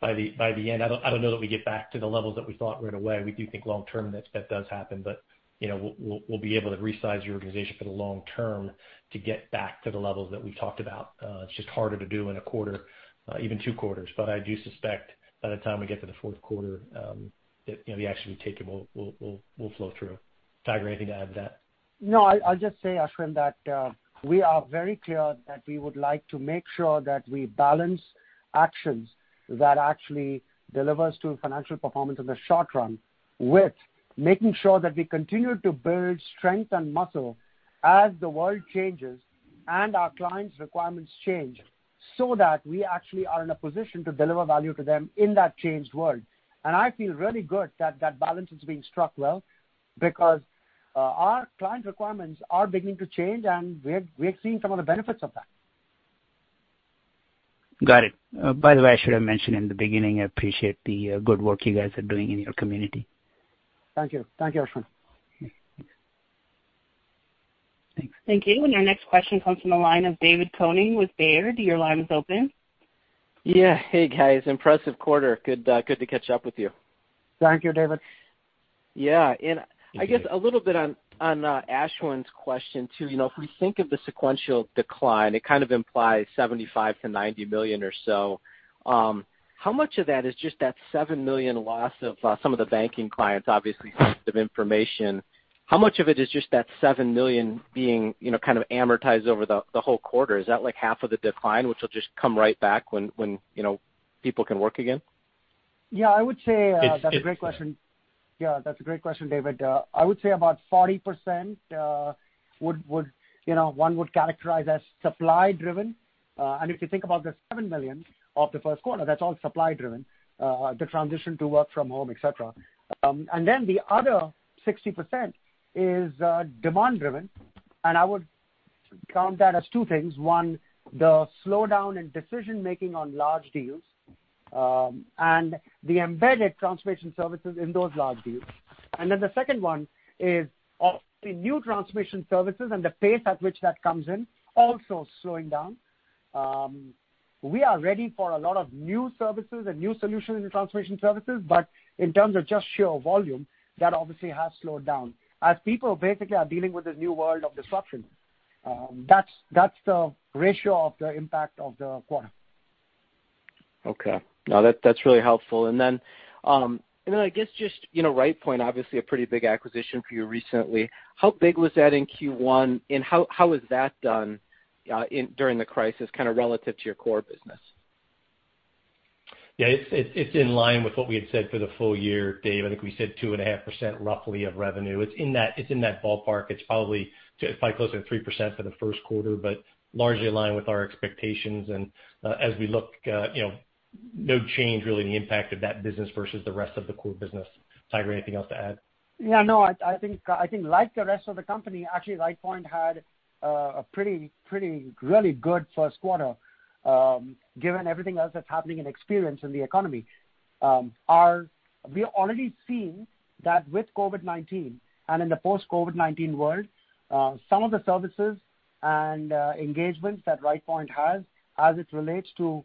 by the end, I don't know that we get back to the levels that we thought right away. We do think long term that does happen. We'll be able to resize the organization for the long term to get back to the levels that we talked about. It's just harder to do in a quarter, even two quarters. I do suspect by the time we get to the fourth quarter, the action we've taken will flow through. Tiger, anything to add to that? I'll just say, Ashwin, that we are very clear that we would like to make sure that we balance actions that actually delivers to financial performance in the short run with making sure that we continue to build strength and muscle as the world changes and our clients' requirements change, so that we actually are in a position to deliver value to them in that changed world. I feel really good that that balance is being struck well, because our clients' requirements are beginning to change, and we're seeing some of the benefits of that. Got it. By the way, I should have mentioned in the beginning, I appreciate the good work you guys are doing in your community. Thank you. Thank you, Ashwin. Thanks. Thank you. Our next question comes from the line of David Koning with Baird. Your line is open. Yeah. Hey, guys. Impressive quarter. Good to catch up with you. Thank you, David. Yeah. Thank you. I guess a little bit on Ashwin's question, too. If we think of the sequential decline, it kind of implies $75 million-$90 million or so. How much of that is just that $7 million loss of some of the banking clients, obviously sensitive information? How much of it is just that $7 million being kind of amortized over the whole quarter? Is that like half of the decline, which will just come right back when people can work again? Yeah, that's a great question. Yeah, that's a great question, David. I would say about 40% one would characterize as supply driven. If you think about the $7 million of the first quarter, that's all supply driven, the transition to work from home, et cetera. The other 60% is demand driven, and I would count that as two things. One, the slowdown in decision-making on large deals, and the embedded transformation services in those large deals. The second one is obviously new transformation services and the pace at which that comes in, also slowing down. We are ready for a lot of new services and new solutions in the Transformation Services, in terms of just sheer volume, that obviously has slowed down as people basically are dealing with this new world of disruption. That's the ratio of the impact of the quarter. Okay. No, that's really helpful. I guess just Rightpoint, obviously a pretty big acquisition for you recently. How big was that in Q1, and how has that done during the crisis, kind of relative to your core business? Yeah, it's in line with what we had said for the full year, Dave. I think we said 2.5% roughly of revenue. It's in that ballpark. It's probably closer to 3% for the first quarter, but largely in line with our expectations. And as we look, no change really in the impact of that business versus the rest of the core business. Tiger, anything else to add? Yeah, no, I think like the rest of the company, actually, Rightpoint had a pretty really good first quarter, given everything else that's happening in experience in the economy. We are already seeing that with COVID-19 and in the post-COVID-19 world, some of the services and engagements that Rightpoint has, as it relates to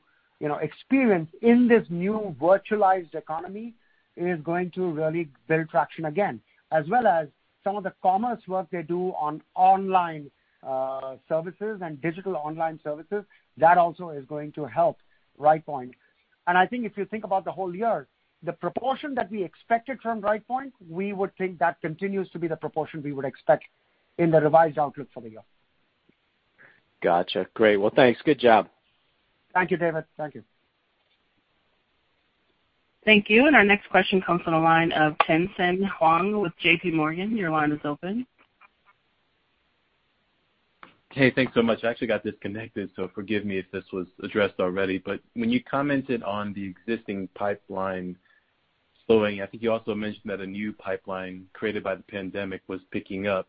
experience in this new virtualized economy, is going to really build traction again. As well as some of the commerce work they do on online services and digital online services, that also is going to help Rightpoint. I think if you think about the whole year, the proportion that we expected from Rightpoint, we would think that continues to be the proportion we would expect in the revised outlook for the year. Got you. Great. Well, thanks. Good job. Thank you, David. Thank you. Thank you. Our next question comes from the line of Tien-Tsin Huang with JPMorgan. Your line is open. Hey, thanks so much. I actually got disconnected, so forgive me if this was addressed already. When you commented on the existing pipeline slowing, I think you also mentioned that a new pipeline created by the pandemic was picking up.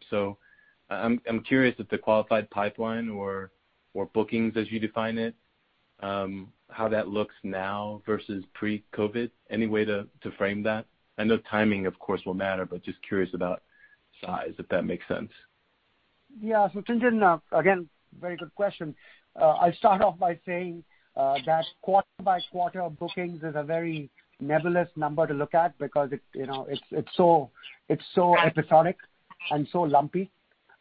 I'm curious if the qualified pipeline or bookings, as you define it, how that looks now versus pre-COVID. Any way to frame that? I know timing, of course, will matter, but just curious about size, if that makes sense. Yeah. Tien-Tsin, again, very good question. I'll start off by saying that quarter by quarter bookings is a very nebulous number to look at because it's so episodic and so lumpy.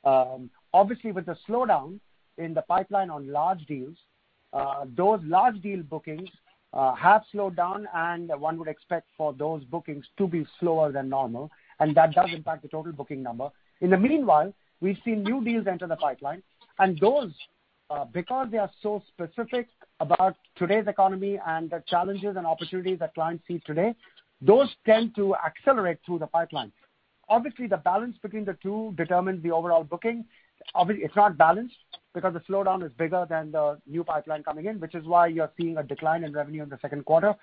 With the slowdown in the pipeline on large deals, those large deal bookings have slowed down, and one would expect for those bookings to be slower than normal, and that does impact the total booking number. In the meanwhile, we've seen new deals enter the pipeline, and those, because they are so specific about today's economy and the challenges and opportunities that clients see today, those tend to accelerate through the pipeline. The balance between the two determines the overall booking. Obviously, it's not balanced because the slowdown is bigger than the new pipeline coming in, which is why you're seeing a decline in revenue in the second quarter.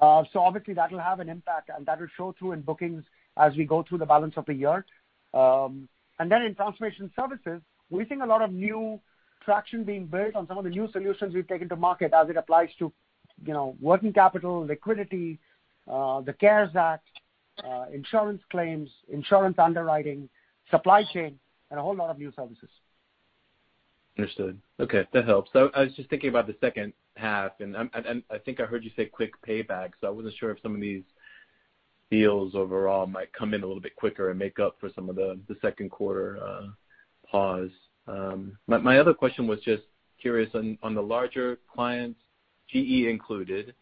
Obviously that will have an impact, and that will show through in bookings as we go through the balance of the year. In Transformation Services, we're seeing a lot of new traction being built on some of the new solutions we've taken to market as it applies to working capital, liquidity, the CARES Act, insurance claims, insurance underwriting, supply chain, and a whole lot of new services. Understood. Okay. That helps. I was just thinking about the second half, and I think I heard you say quick payback, so I wasn't sure if some of these deals overall might come in a little bit quicker and make up for some of the second quarter pause. My other question was just curious on the larger clients, GE included,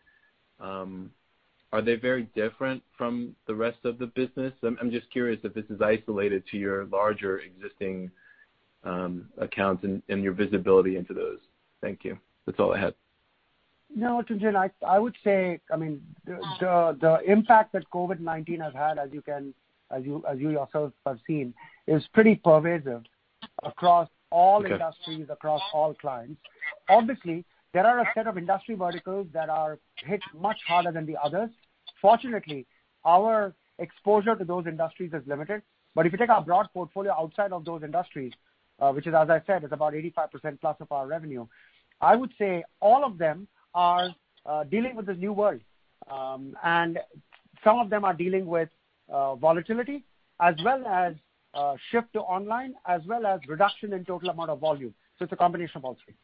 are they very different from the rest of the business? I'm just curious if this is isolated to your larger existing accounts and your visibility into those? Thank you. That's all I had. No, Tien-Tsin, I would say, the impact that COVID-19 has had, as you yourself have seen, is pretty pervasive across all. Okay. Industries, across all clients. There are a set of industry verticals that are hit much harder than the others. Fortunately, our exposure to those industries is limited. If you take our broad portfolio outside of those industries, which is, as I said, is about 85%+ of our revenue, I would say all of them are dealing with this new world. Some of them are dealing with volatility as well as shift to online, as well as reduction in total amount of volume. It's a combination of all three.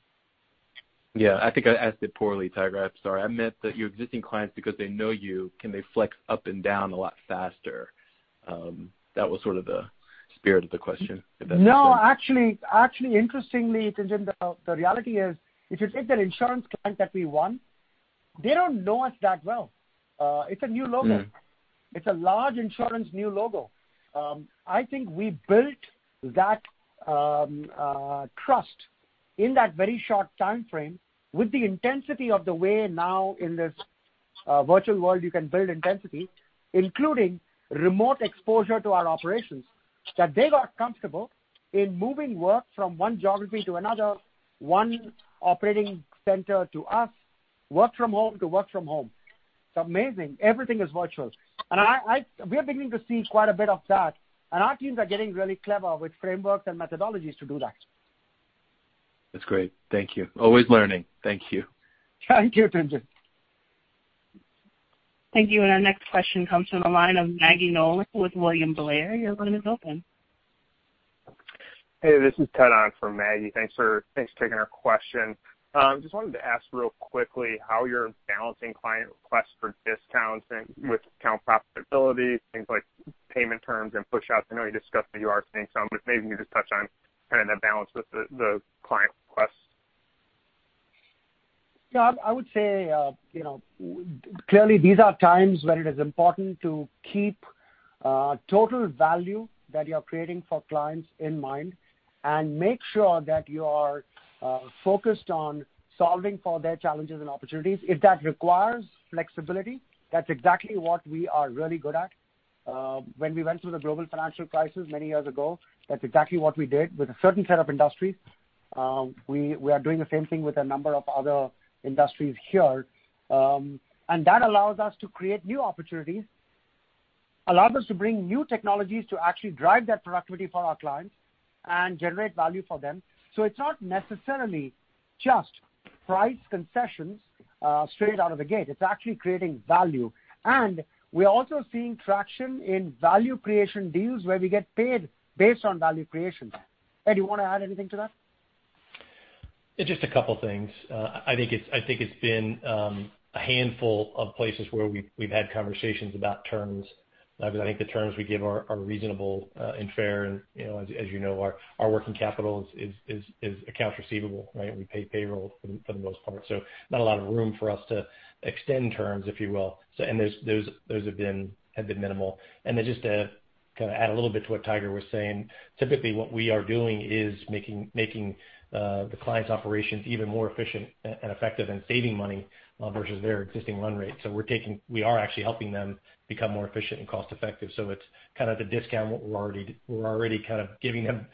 Yeah. I think I asked it poorly, Tiger. I'm sorry. I meant that your existing clients, because they know you, can they flex up and down a lot faster? That was sort of the spirit of the question, if that makes sense. No, actually, interestingly, Tien-Tsin, the reality is, if it's an insurance client that we won, they don't know us that well. It's a new logo. It's a large insurance new logo. I think we built that trust in that very short timeframe with the intensity of the way now in this virtual world, you can build intensity, including remote exposure to our operations, that they got comfortable in moving work from one geography to another, one operating center to us, work from home to work from home. It's amazing. Everything is virtual. We are beginning to see quite a bit of that, and our teams are getting really clever with frameworks and methodologies to do that. That's great. Thank you. Always learning. Thank you. Thank you, Tien-Tsin. Thank you. Our next question comes from the line of Maggie Nolan with William Blair. Your line is open. Hey, this is Ted on for Maggie. Thanks for taking our question. Just wanted to ask real quickly how you're balancing client requests for discounts and with account profitability, things like payment terms and pushouts. I know you discussed that you are seeing some, but maybe you could just touch on kind of the balance with the client requests. I would say, clearly these are times when it is important to keep total value that you're creating for clients in mind and make sure that you are focused on solving for their challenges and opportunities. If that requires flexibility, that's exactly what we are really good at. When we went through the global financial crisis many years ago, that's exactly what we did with a certain set of industries. We are doing the same thing with a number of other industries here. That allows us to create new opportunities, allows us to bring new technologies to actually drive that productivity for our clients and generate value for them. It's not necessarily just price concessions straight out of the gate. It's actually creating value. We're also seeing traction in value creation deals where we get paid based on value creation. Ed, you want to add anything to that? Just a couple of things. I think it's been a handful of places where we've had conversations about terms. I think the terms we give are reasonable and fair, and as you know, our working capital is accounts receivable, right? We pay payroll for the most part, not a lot of room for us to extend terms, if you will. Those have been minimal. Just to add a little bit to what Tiger was saying, typically what we are doing is making the client's operations even more efficient and effective and saving money versus their existing run rate. We are actually helping them become more efficient and cost effective. It's the discount, we're already giving them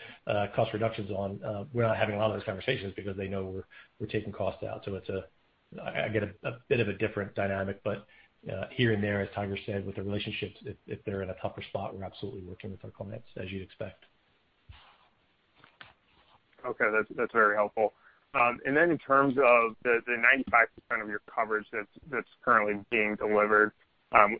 cost reductions on. We're not having a lot of those conversations because they know we're taking costs out. I get a bit of a different dynamic, but here and there, as Tiger said, with the relationships, if they're in a tougher spot, we're absolutely working with our clients, as you'd expect. Okay. That's very helpful. In terms of the 95% of your coverage that's currently being delivered,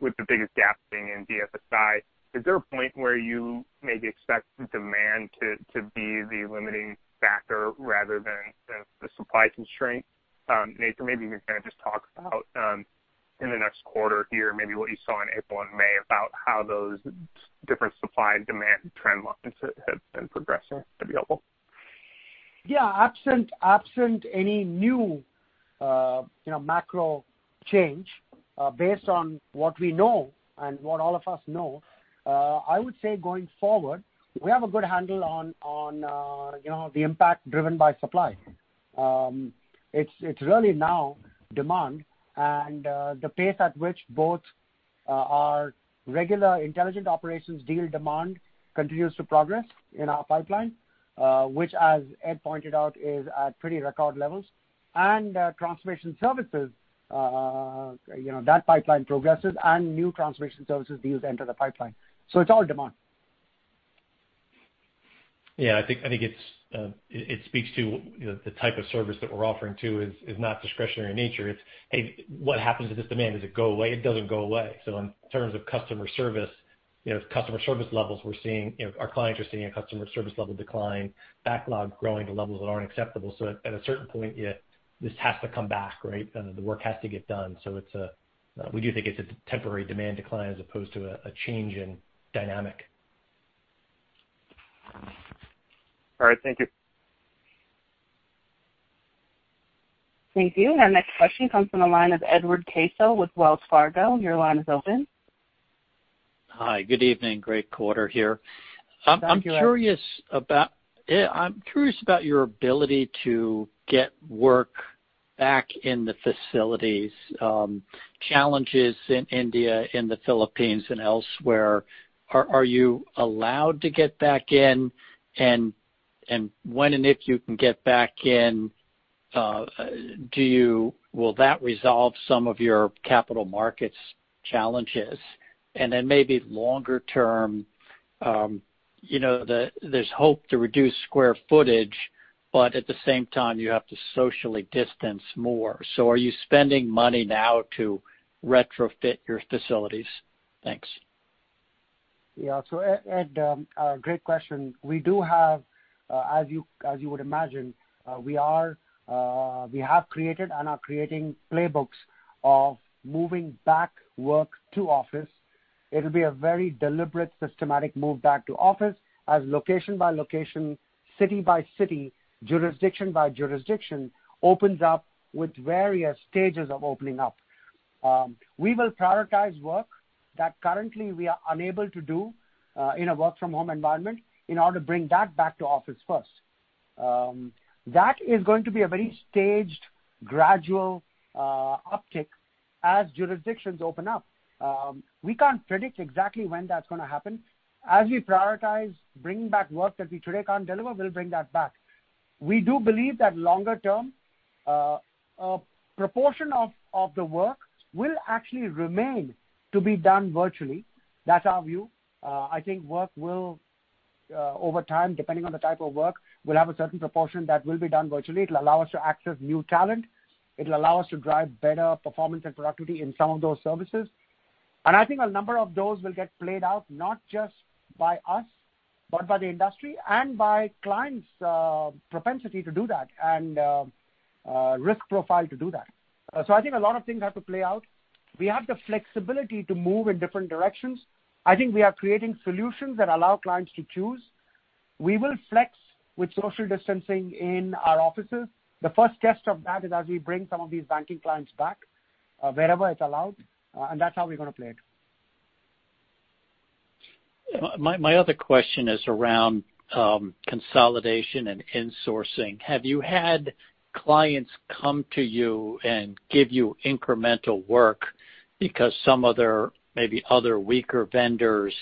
with the biggest gap being in BFSI, is there a point where you maybe expect the demand to be the limiting factor rather than the supply constraint? Maybe you can just talk about in the next quarter here, maybe what you saw in April and May about how those different supply and demand trend lines have been progressing, that'd be helpful. Yeah. Absent any new macro change, based on what we know and what all of us know, I would say going forward, we have a good handle on the impact driven by supply. It's really now demand and the pace at which both our regular intelligent operations deal demand continues to progress in our pipeline, which as Ed pointed out, is at pretty record levels. Transformation Services, that pipeline progresses and new Transformation Services deals enter the pipeline. It's all demand. I think it speaks to the type of service that we're offering too is not discretionary in nature. It's, hey, what happens to this demand? Does it go away? It doesn't go away. In terms of customer service levels, our clients are seeing a customer service level decline, backlog growing to levels that aren't acceptable. At a certain point, this has to come back, right? The work has to get done. We do think it's a temporary demand decline as opposed to a change in dynamic. All right. Thank you. Thank you. Our next question comes from the line of Edward Caso with Wells Fargo. Your line is open. Hi, good evening. Great quarter here. Thank you, Ed. I'm curious about your ability to get work back in the facilities, challenges in India, in the Philippines and elsewhere. Are you allowed to get back in? When and if you can get back in, will that resolve some of your capital markets challenges? Maybe longer term, there's hope to reduce square footage, but at the same time, you have to socially distance more. Are you spending money now to retrofit your facilities? Thanks. Ed, great question. We do have, as you would imagine, we have created and are creating playbooks of moving back work to office. It'll be a very deliberate, systematic move back to office as location by location, city by city, jurisdiction by jurisdiction, opens up with various stages of opening up. We will prioritize work that currently we are unable to do in a work from home environment, in order to bring that back to office first. That is going to be a very staged, gradual uptick as jurisdictions open up. We can't predict exactly when that's going to happen. As we prioritize bringing back work that we today can't deliver, we'll bring that back. We do believe that longer term, a proportion of the work will actually remain to be done virtually. That's our view. I think work will, over time, depending on the type of work, will have a certain proportion that will be done virtually. It'll allow us to access new talent. It'll allow us to drive better performance and productivity in some of those services. I think a number of those will get played out not just by us, but by the industry and by clients' propensity to do that and risk profile to do that. I think a lot of things have to play out. We have the flexibility to move in different directions. I think we are creating solutions that allow clients to choose. We will flex with social distancing in our offices. The first test of that is as we bring some of these banking clients back, wherever it's allowed, and that's how we're going to play it. My other question is around consolidation and insourcing. Have you had clients come to you and give you incremental work because some other, maybe weaker vendors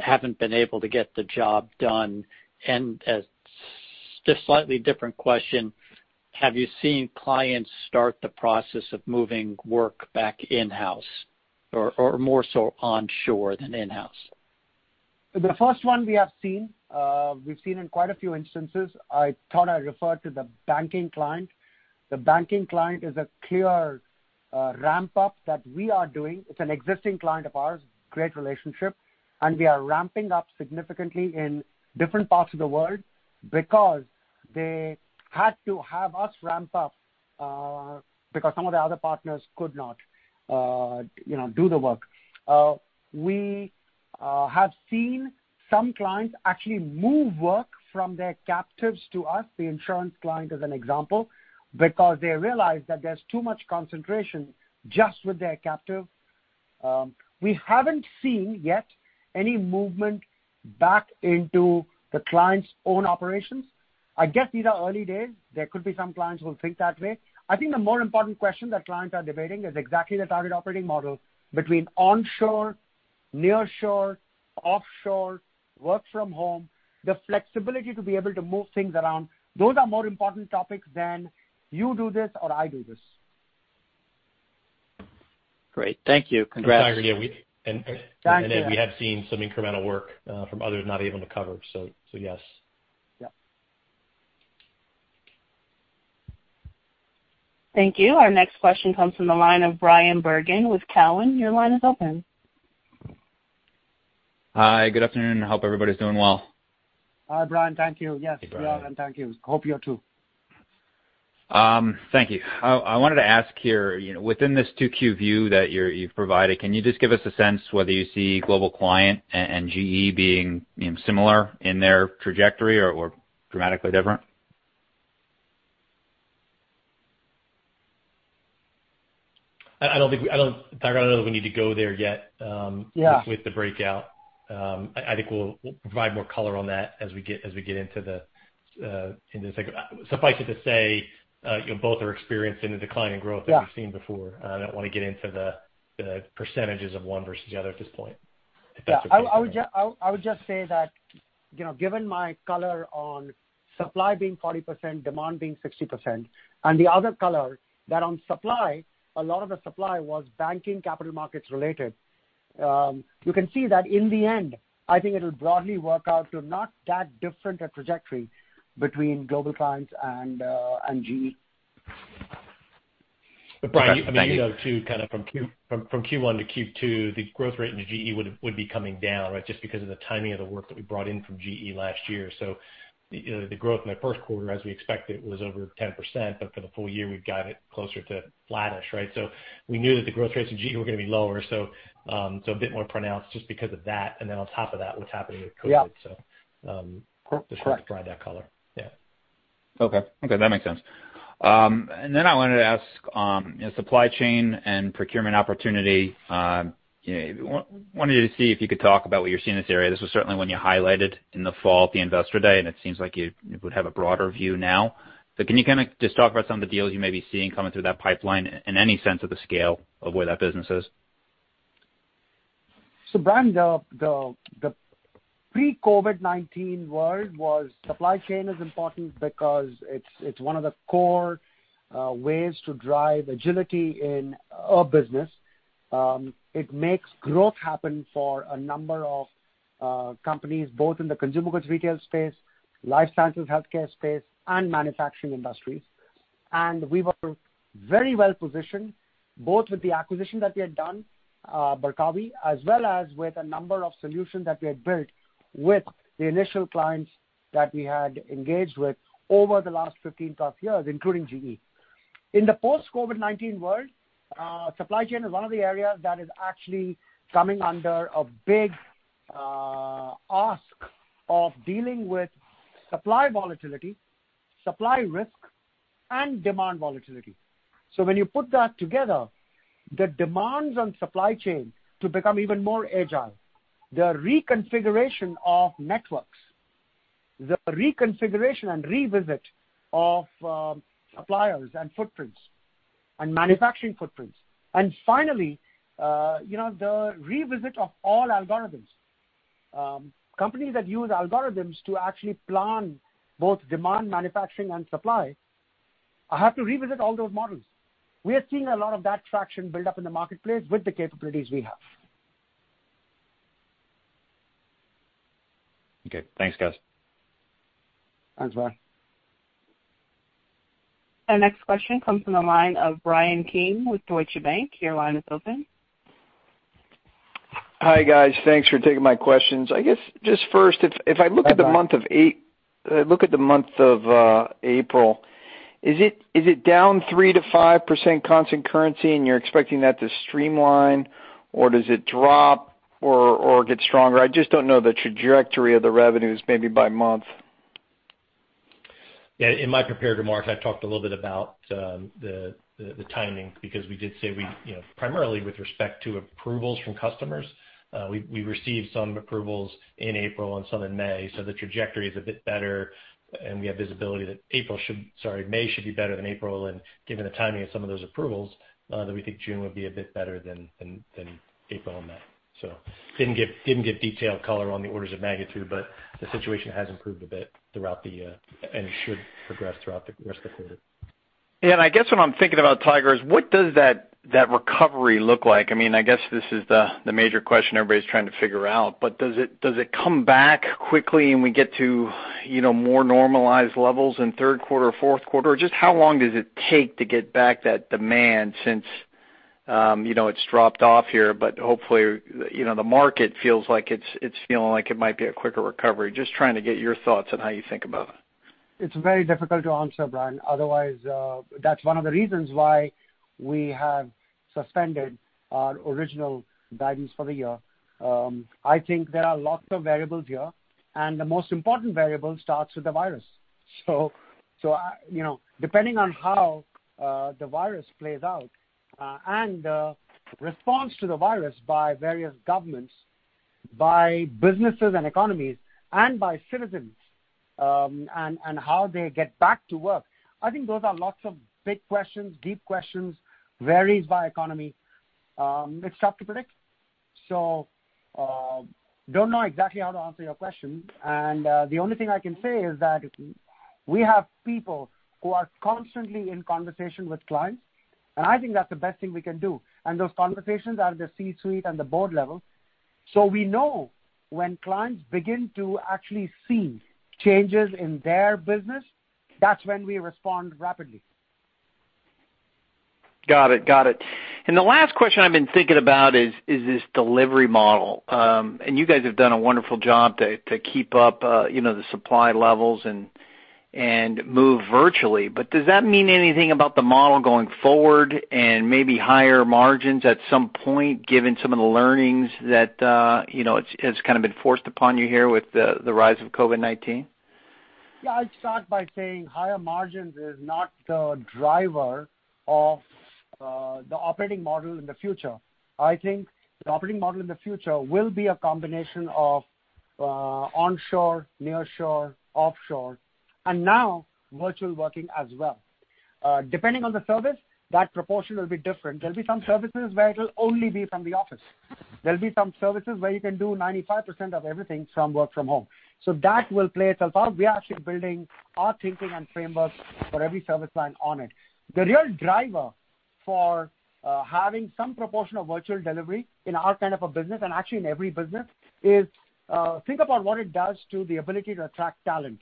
haven't been able to get the job done? As just slightly different question, have you seen clients start the process of moving work back in-house or more so onshore than in-house? The first one we have seen. We've seen in quite a few instances. I thought I referred to the banking client. The banking client is a clear ramp-up that we are doing. It's an existing client of ours, great relationship, and we are ramping up significantly in different parts of the world because they had to have us ramp up, because some of the other partners could not do the work. We have seen some clients actually move work from their captives to us, the insurance client is an example, because they realize that there's too much concentration just with their captive. We haven't seen yet any movement back into the client's own operations. I guess these are early days. There could be some clients who think that way. I think the more important question that clients are debating is exactly the target operating model between onshore, nearshore, offshore, work from home, the flexibility to be able to move things around. Those are more important topics than you do this or I do this. Great. Thank you. Congrats. We have seen some incremental work from others not able to cover, so yes. Yeah. Thank you. Our next question comes from the line of Bryan Bergin with Cowen. Your line is open. Hi, good afternoon. I hope everybody's doing well. Hi, Bryan. Thank you. Yes, we are, and thank you. Hope you are too. Thank you. I wanted to ask here, within this 2Q view that you've provided, can you just give us a sense whether you see global client and GE being similar in their trajectory or dramatically different? I don't think we need to go there yet. Yeah. With the breakout. I think we'll provide more color on that as we get into the second- suffice it to say, both are experiencing the decline in growth. Yeah. That we've seen before. I don't want to get into the percentages of one versus the other at this point. If that's okay. Yeah. I would just say that, given my color on supply being 40%, demand being 60%, and the other color, that on supply, a lot of the supply was banking capital markets related. You can see that in the end, I think it'll broadly work out to not that different a trajectory between global clients and GE. Bryan, you know too, from Q1 to Q2, the growth rate into GE would be coming down, right? Just because of the timing of the work that we brought in from GE last year. The growth in the first quarter, as we expected, was over 10%, but for the full year, we've got it closer to flattish, right? We knew that the growth rates in GE were going to be lower. A bit more pronounced just because of that, and then on top of that, what's happening with COVID. Yeah. Just trying to provide that color. Yeah. Okay. That makes sense. Then I wanted to ask, supply chain and procurement opportunity, wanted to see if you could talk about what you're seeing in this area. This was certainly one you highlighted in the fall at the Investor Day, and it seems like you would have a broader view now. Can you just talk about some of the deals you may be seeing coming through that pipeline and any sense of the scale of where that business is? Bryan, the pre-COVID-19 world was supply chain is important because it's one of the core ways to drive agility in our business. It makes growth happen for a number of companies, both in the consumable goods retail space, life sciences healthcare space, and manufacturing industries. We were very well-positioned, both with the acquisition that we had done, Barkawi, as well as with a number of solutions that we had built with the initial clients that we had engaged with over the last 15+ years, including GE. In the post-COVID-19 world, supply chain is one of the areas that is actually coming under a big ask of dealing with supply volatility, supply risk, and demand volatility. When you put that together, the demands on supply chain to become even more agile, the reconfiguration of networks, the reconfiguration and revisit of suppliers and footprints and manufacturing footprints. Finally, the revisit of all algorithms. Companies that use algorithms to actually plan both demand manufacturing and supply have to revisit all those models. We are seeing a lot of that traction build up in the marketplace with the capabilities we have. Okay. Thanks, guys. Thanks, Bryan. Our next question comes from the line of Bryan Keane with Deutsche Bank. Your line is open. Hi, guys. Thanks for taking my questions. Hi, Bryan. If I look at the month of April, is it down 3%-5% constant currency and you're expecting that to streamline, or does it drop or get stronger? I just don't know the trajectory of the revenues maybe by month. In my prepared remarks, I talked a little bit about the timing, because we did say we, primarily with respect to approvals from customers, we received some approvals in April and some in May, so the trajectory is a bit better and we have visibility that May should be better than April, and given the timing of some of those approvals, that we think June will be a bit better than April and May. Didn't give detailed color on the orders of magnitude, but the situation has improved a bit. It should progress throughout the rest of the quarter. Yeah. I guess what I'm thinking about, Tiger, is what does that recovery look like? I guess this is the major question everybody's trying to figure out. Does it come back quickly and we get to more normalized levels in third quarter, fourth quarter? Just how long does it take to get back that demand since it's dropped off here, but hopefully, the market feels like it's feeling like it might be a quicker recovery. Just trying to get your thoughts on how you think about it. It's very difficult to answer, Bryan. Otherwise, that's one of the reasons why we have suspended our original guidance for the year. I think there are lots of variables here, and the most important variable starts with the virus. Depending on how the virus plays out, and the response to the virus by various governments, by businesses and economies, and by citizens, and how they get back to work, I think those are lots of big questions, deep questions, varies by economy. It's tough to predict. Don't know exactly how to answer your question, and the only thing I can say is that we have people who are constantly in conversation with clients, and I think that's the best thing we can do. Those conversations are at the C-suite and the Board level. We know when clients begin to actually see changes in their business, that's when we respond rapidly. Got it. The last question I've been thinking about is this delivery model. You guys have done a wonderful job to keep up the supply levels and move virtually. Does that mean anything about the model going forward and maybe higher margins at some point, given some of the learnings that it's been forced upon you here with the rise of COVID-19? Yeah, I'll start by saying higher margins is not the driver of the operating model in the future. I think the operating model in the future will be a combination of onshore, nearshore, offshore, and now virtual working as well. Depending on the service, that proportion will be different. There'll be some services where it'll only be from the office. There'll be some services where you can do 95% of everything from work from home. So that will play itself out. We are actually building our thinking and frameworks for every service line on it. The real driver for having some proportion of virtual delivery in our kind of a business, and actually in every business, is think about what it does to the ability to attract talent.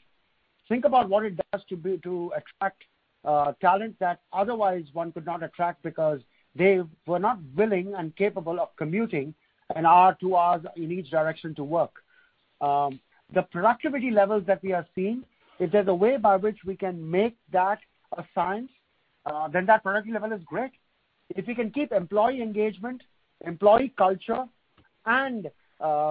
Think about what it does to attract talent that otherwise one could not attract because they were not willing and capable of commuting an hour, two hours in each direction to work. The productivity levels that we are seeing, if there's a way by which we can make that a science, then that productivity level is great. If we can keep employee engagement, employee culture, and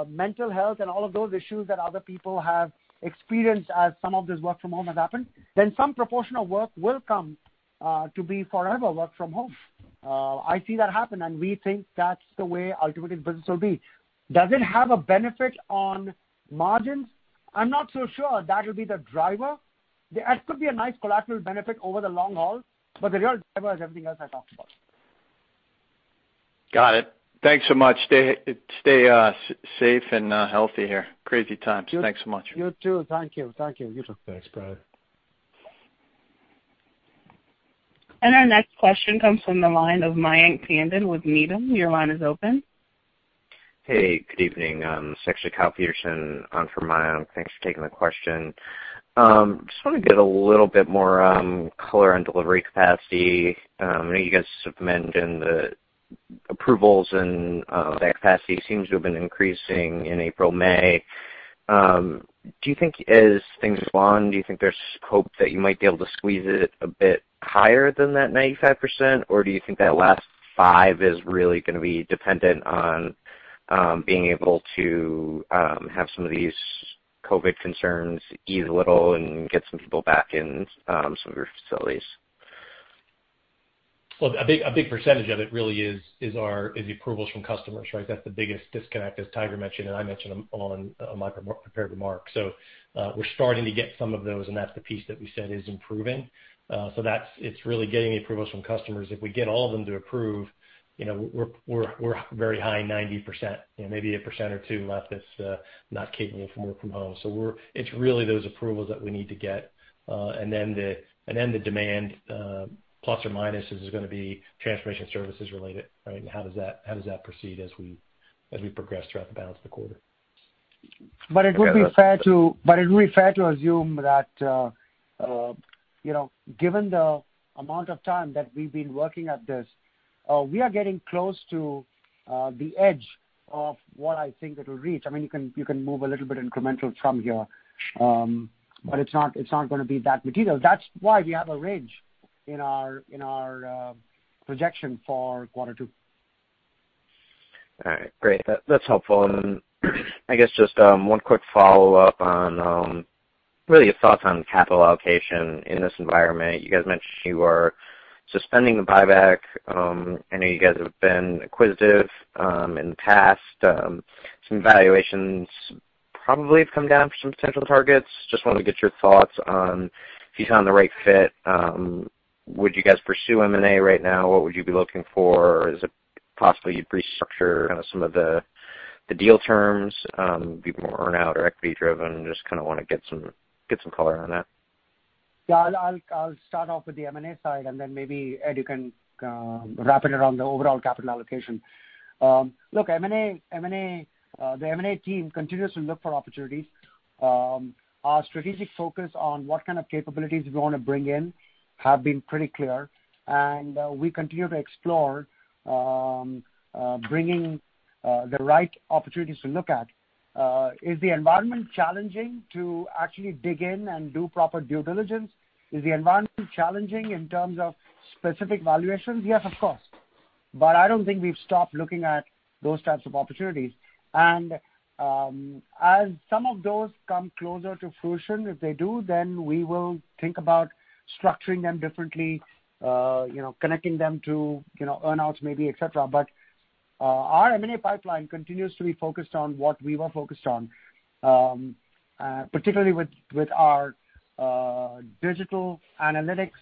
mental health and all of those issues that other people have experienced as some of this work from home has happened, then some proportion of work will come to be forever work from home. I see that happen, and we think that's the way ultimately business will be. Does it have a benefit on margins? I'm not so sure that will be the driver. That could be a nice collateral benefit over the long haul, but the real driver is everything else I talked about. Got it. Thanks so much. Stay safe and healthy here. Crazy times. Thanks so much. You too. Thank you. Thanks, Bryan. Our next question comes from the line of Mayank Tandon with Needham. Your line is open. Hey, good evening. It's actually Kyle Peterson on for Mayank. Thanks for taking the question. Want to get a little bit more color on delivery capacity. I know you guys have mentioned the approvals and the capacity seems to have been increasing in April, May. Do you think as things go on, do you think there's hope that you might be able to squeeze it a bit higher than that 95%? Do you think that last 5% is really gonna be dependent on being able to have some of these COVID-19 concerns ease a little and get some people back in some of your facilities? Well, a big percentage of it really is the approvals from customers, right? That's the biggest disconnect as Tiger mentioned, and I mentioned on my prepared remarks. We're starting to get some of those, and that's the piece that we said is improving. It's really getting the approvals from customers. If we get all of them to approve, we're very high 90%, maybe a percent or two left that's not capable for work from home. It's really those approvals that we need to get. The demand, plus or minus, is gonna be Transformation Services related, right? How does that proceed as we progress throughout the balance of the quarter? It would be fair to assume that, given the amount of time that we've been working at this, we are getting close to the edge of what I think it'll reach. You can move a little bit incremental from here. It's not gonna be that material. That's why we have a range in our projection for quarter two. All right. Great. That's helpful. I guess just one quick follow-up on really your thoughts on capital allocation in this environment. You guys mentioned you are suspending the buyback. I know you guys have been acquisitive in the past. Some valuations probably have come down for some potential targets. Just wanted to get your thoughts on if you found the right fit, would you guys pursue M&A right now? What would you be looking for? Is it possibly you'd restructure some of the deal terms, be more earn-out or equity-driven? Just kind of want to get some color on that? Yeah. I'll start off with the M&A side, and then maybe, Ed, you can wrap it around the overall capital allocation. Look, the M&A team continues to look for opportunities. Our strategic focus on what kind of capabilities we want to bring in have been pretty clear, and we continue to explore bringing the right opportunities to look at. Is the environment challenging to actually dig in and do proper due diligence? Is the environment challenging in terms of specific valuations? Yes, of course. I don't think we've stopped looking at those types of opportunities. As some of those come closer to fruition, if they do, then we will think about structuring them differently, connecting them to earn-outs maybe, et cetera. Our M&A pipeline continues to be focused on what we were focused on, particularly with our digital analytics,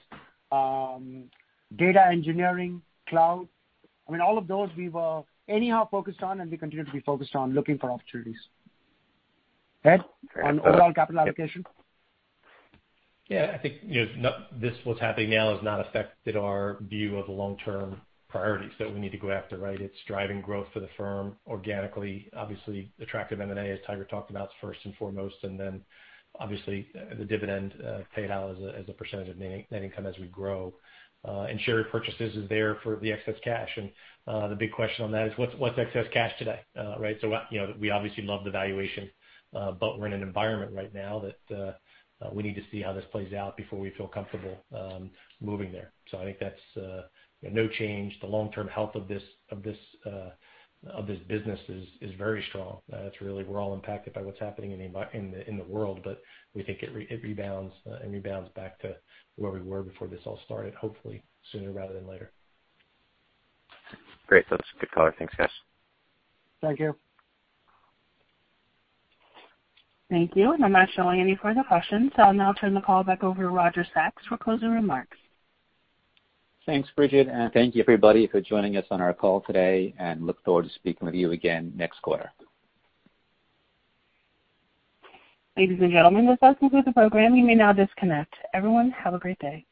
data engineering, cloud. All of those we were anyhow focused on, and we continue to be focused on looking for opportunities. Ed, on overall capital allocation? Yeah. I think this, what's happening now, has not affected our view of the long-term priorities that we need to go after, right? It's driving growth for the firm organically. Obviously, attractive M&A, as Tiger talked about, is first and foremost, then obviously the dividend payout as a % of net income as we grow. Share purchases is there for the excess cash. The big question on that is what's excess cash today, right? We obviously love the valuation, but we're in an environment right now that we need to see how this plays out before we feel comfortable moving there. I think that's no change. The long-term health of this business is very strong. It's really we're all impacted by what's happening in the world, but we think it rebounds back to where we were before this all started, hopefully sooner rather than later. Great. That's good color. Thanks, guys. Thank you. Thank you. I'm not showing any further questions. I'll now turn the call back over to Roger Sachs for closing remarks. Thanks, Bridget, and thank you, everybody, for joining us on our call today, and look forward to speaking with you again next quarter. Ladies and gentlemen, this does conclude the program. You may now disconnect. Everyone, have a great day.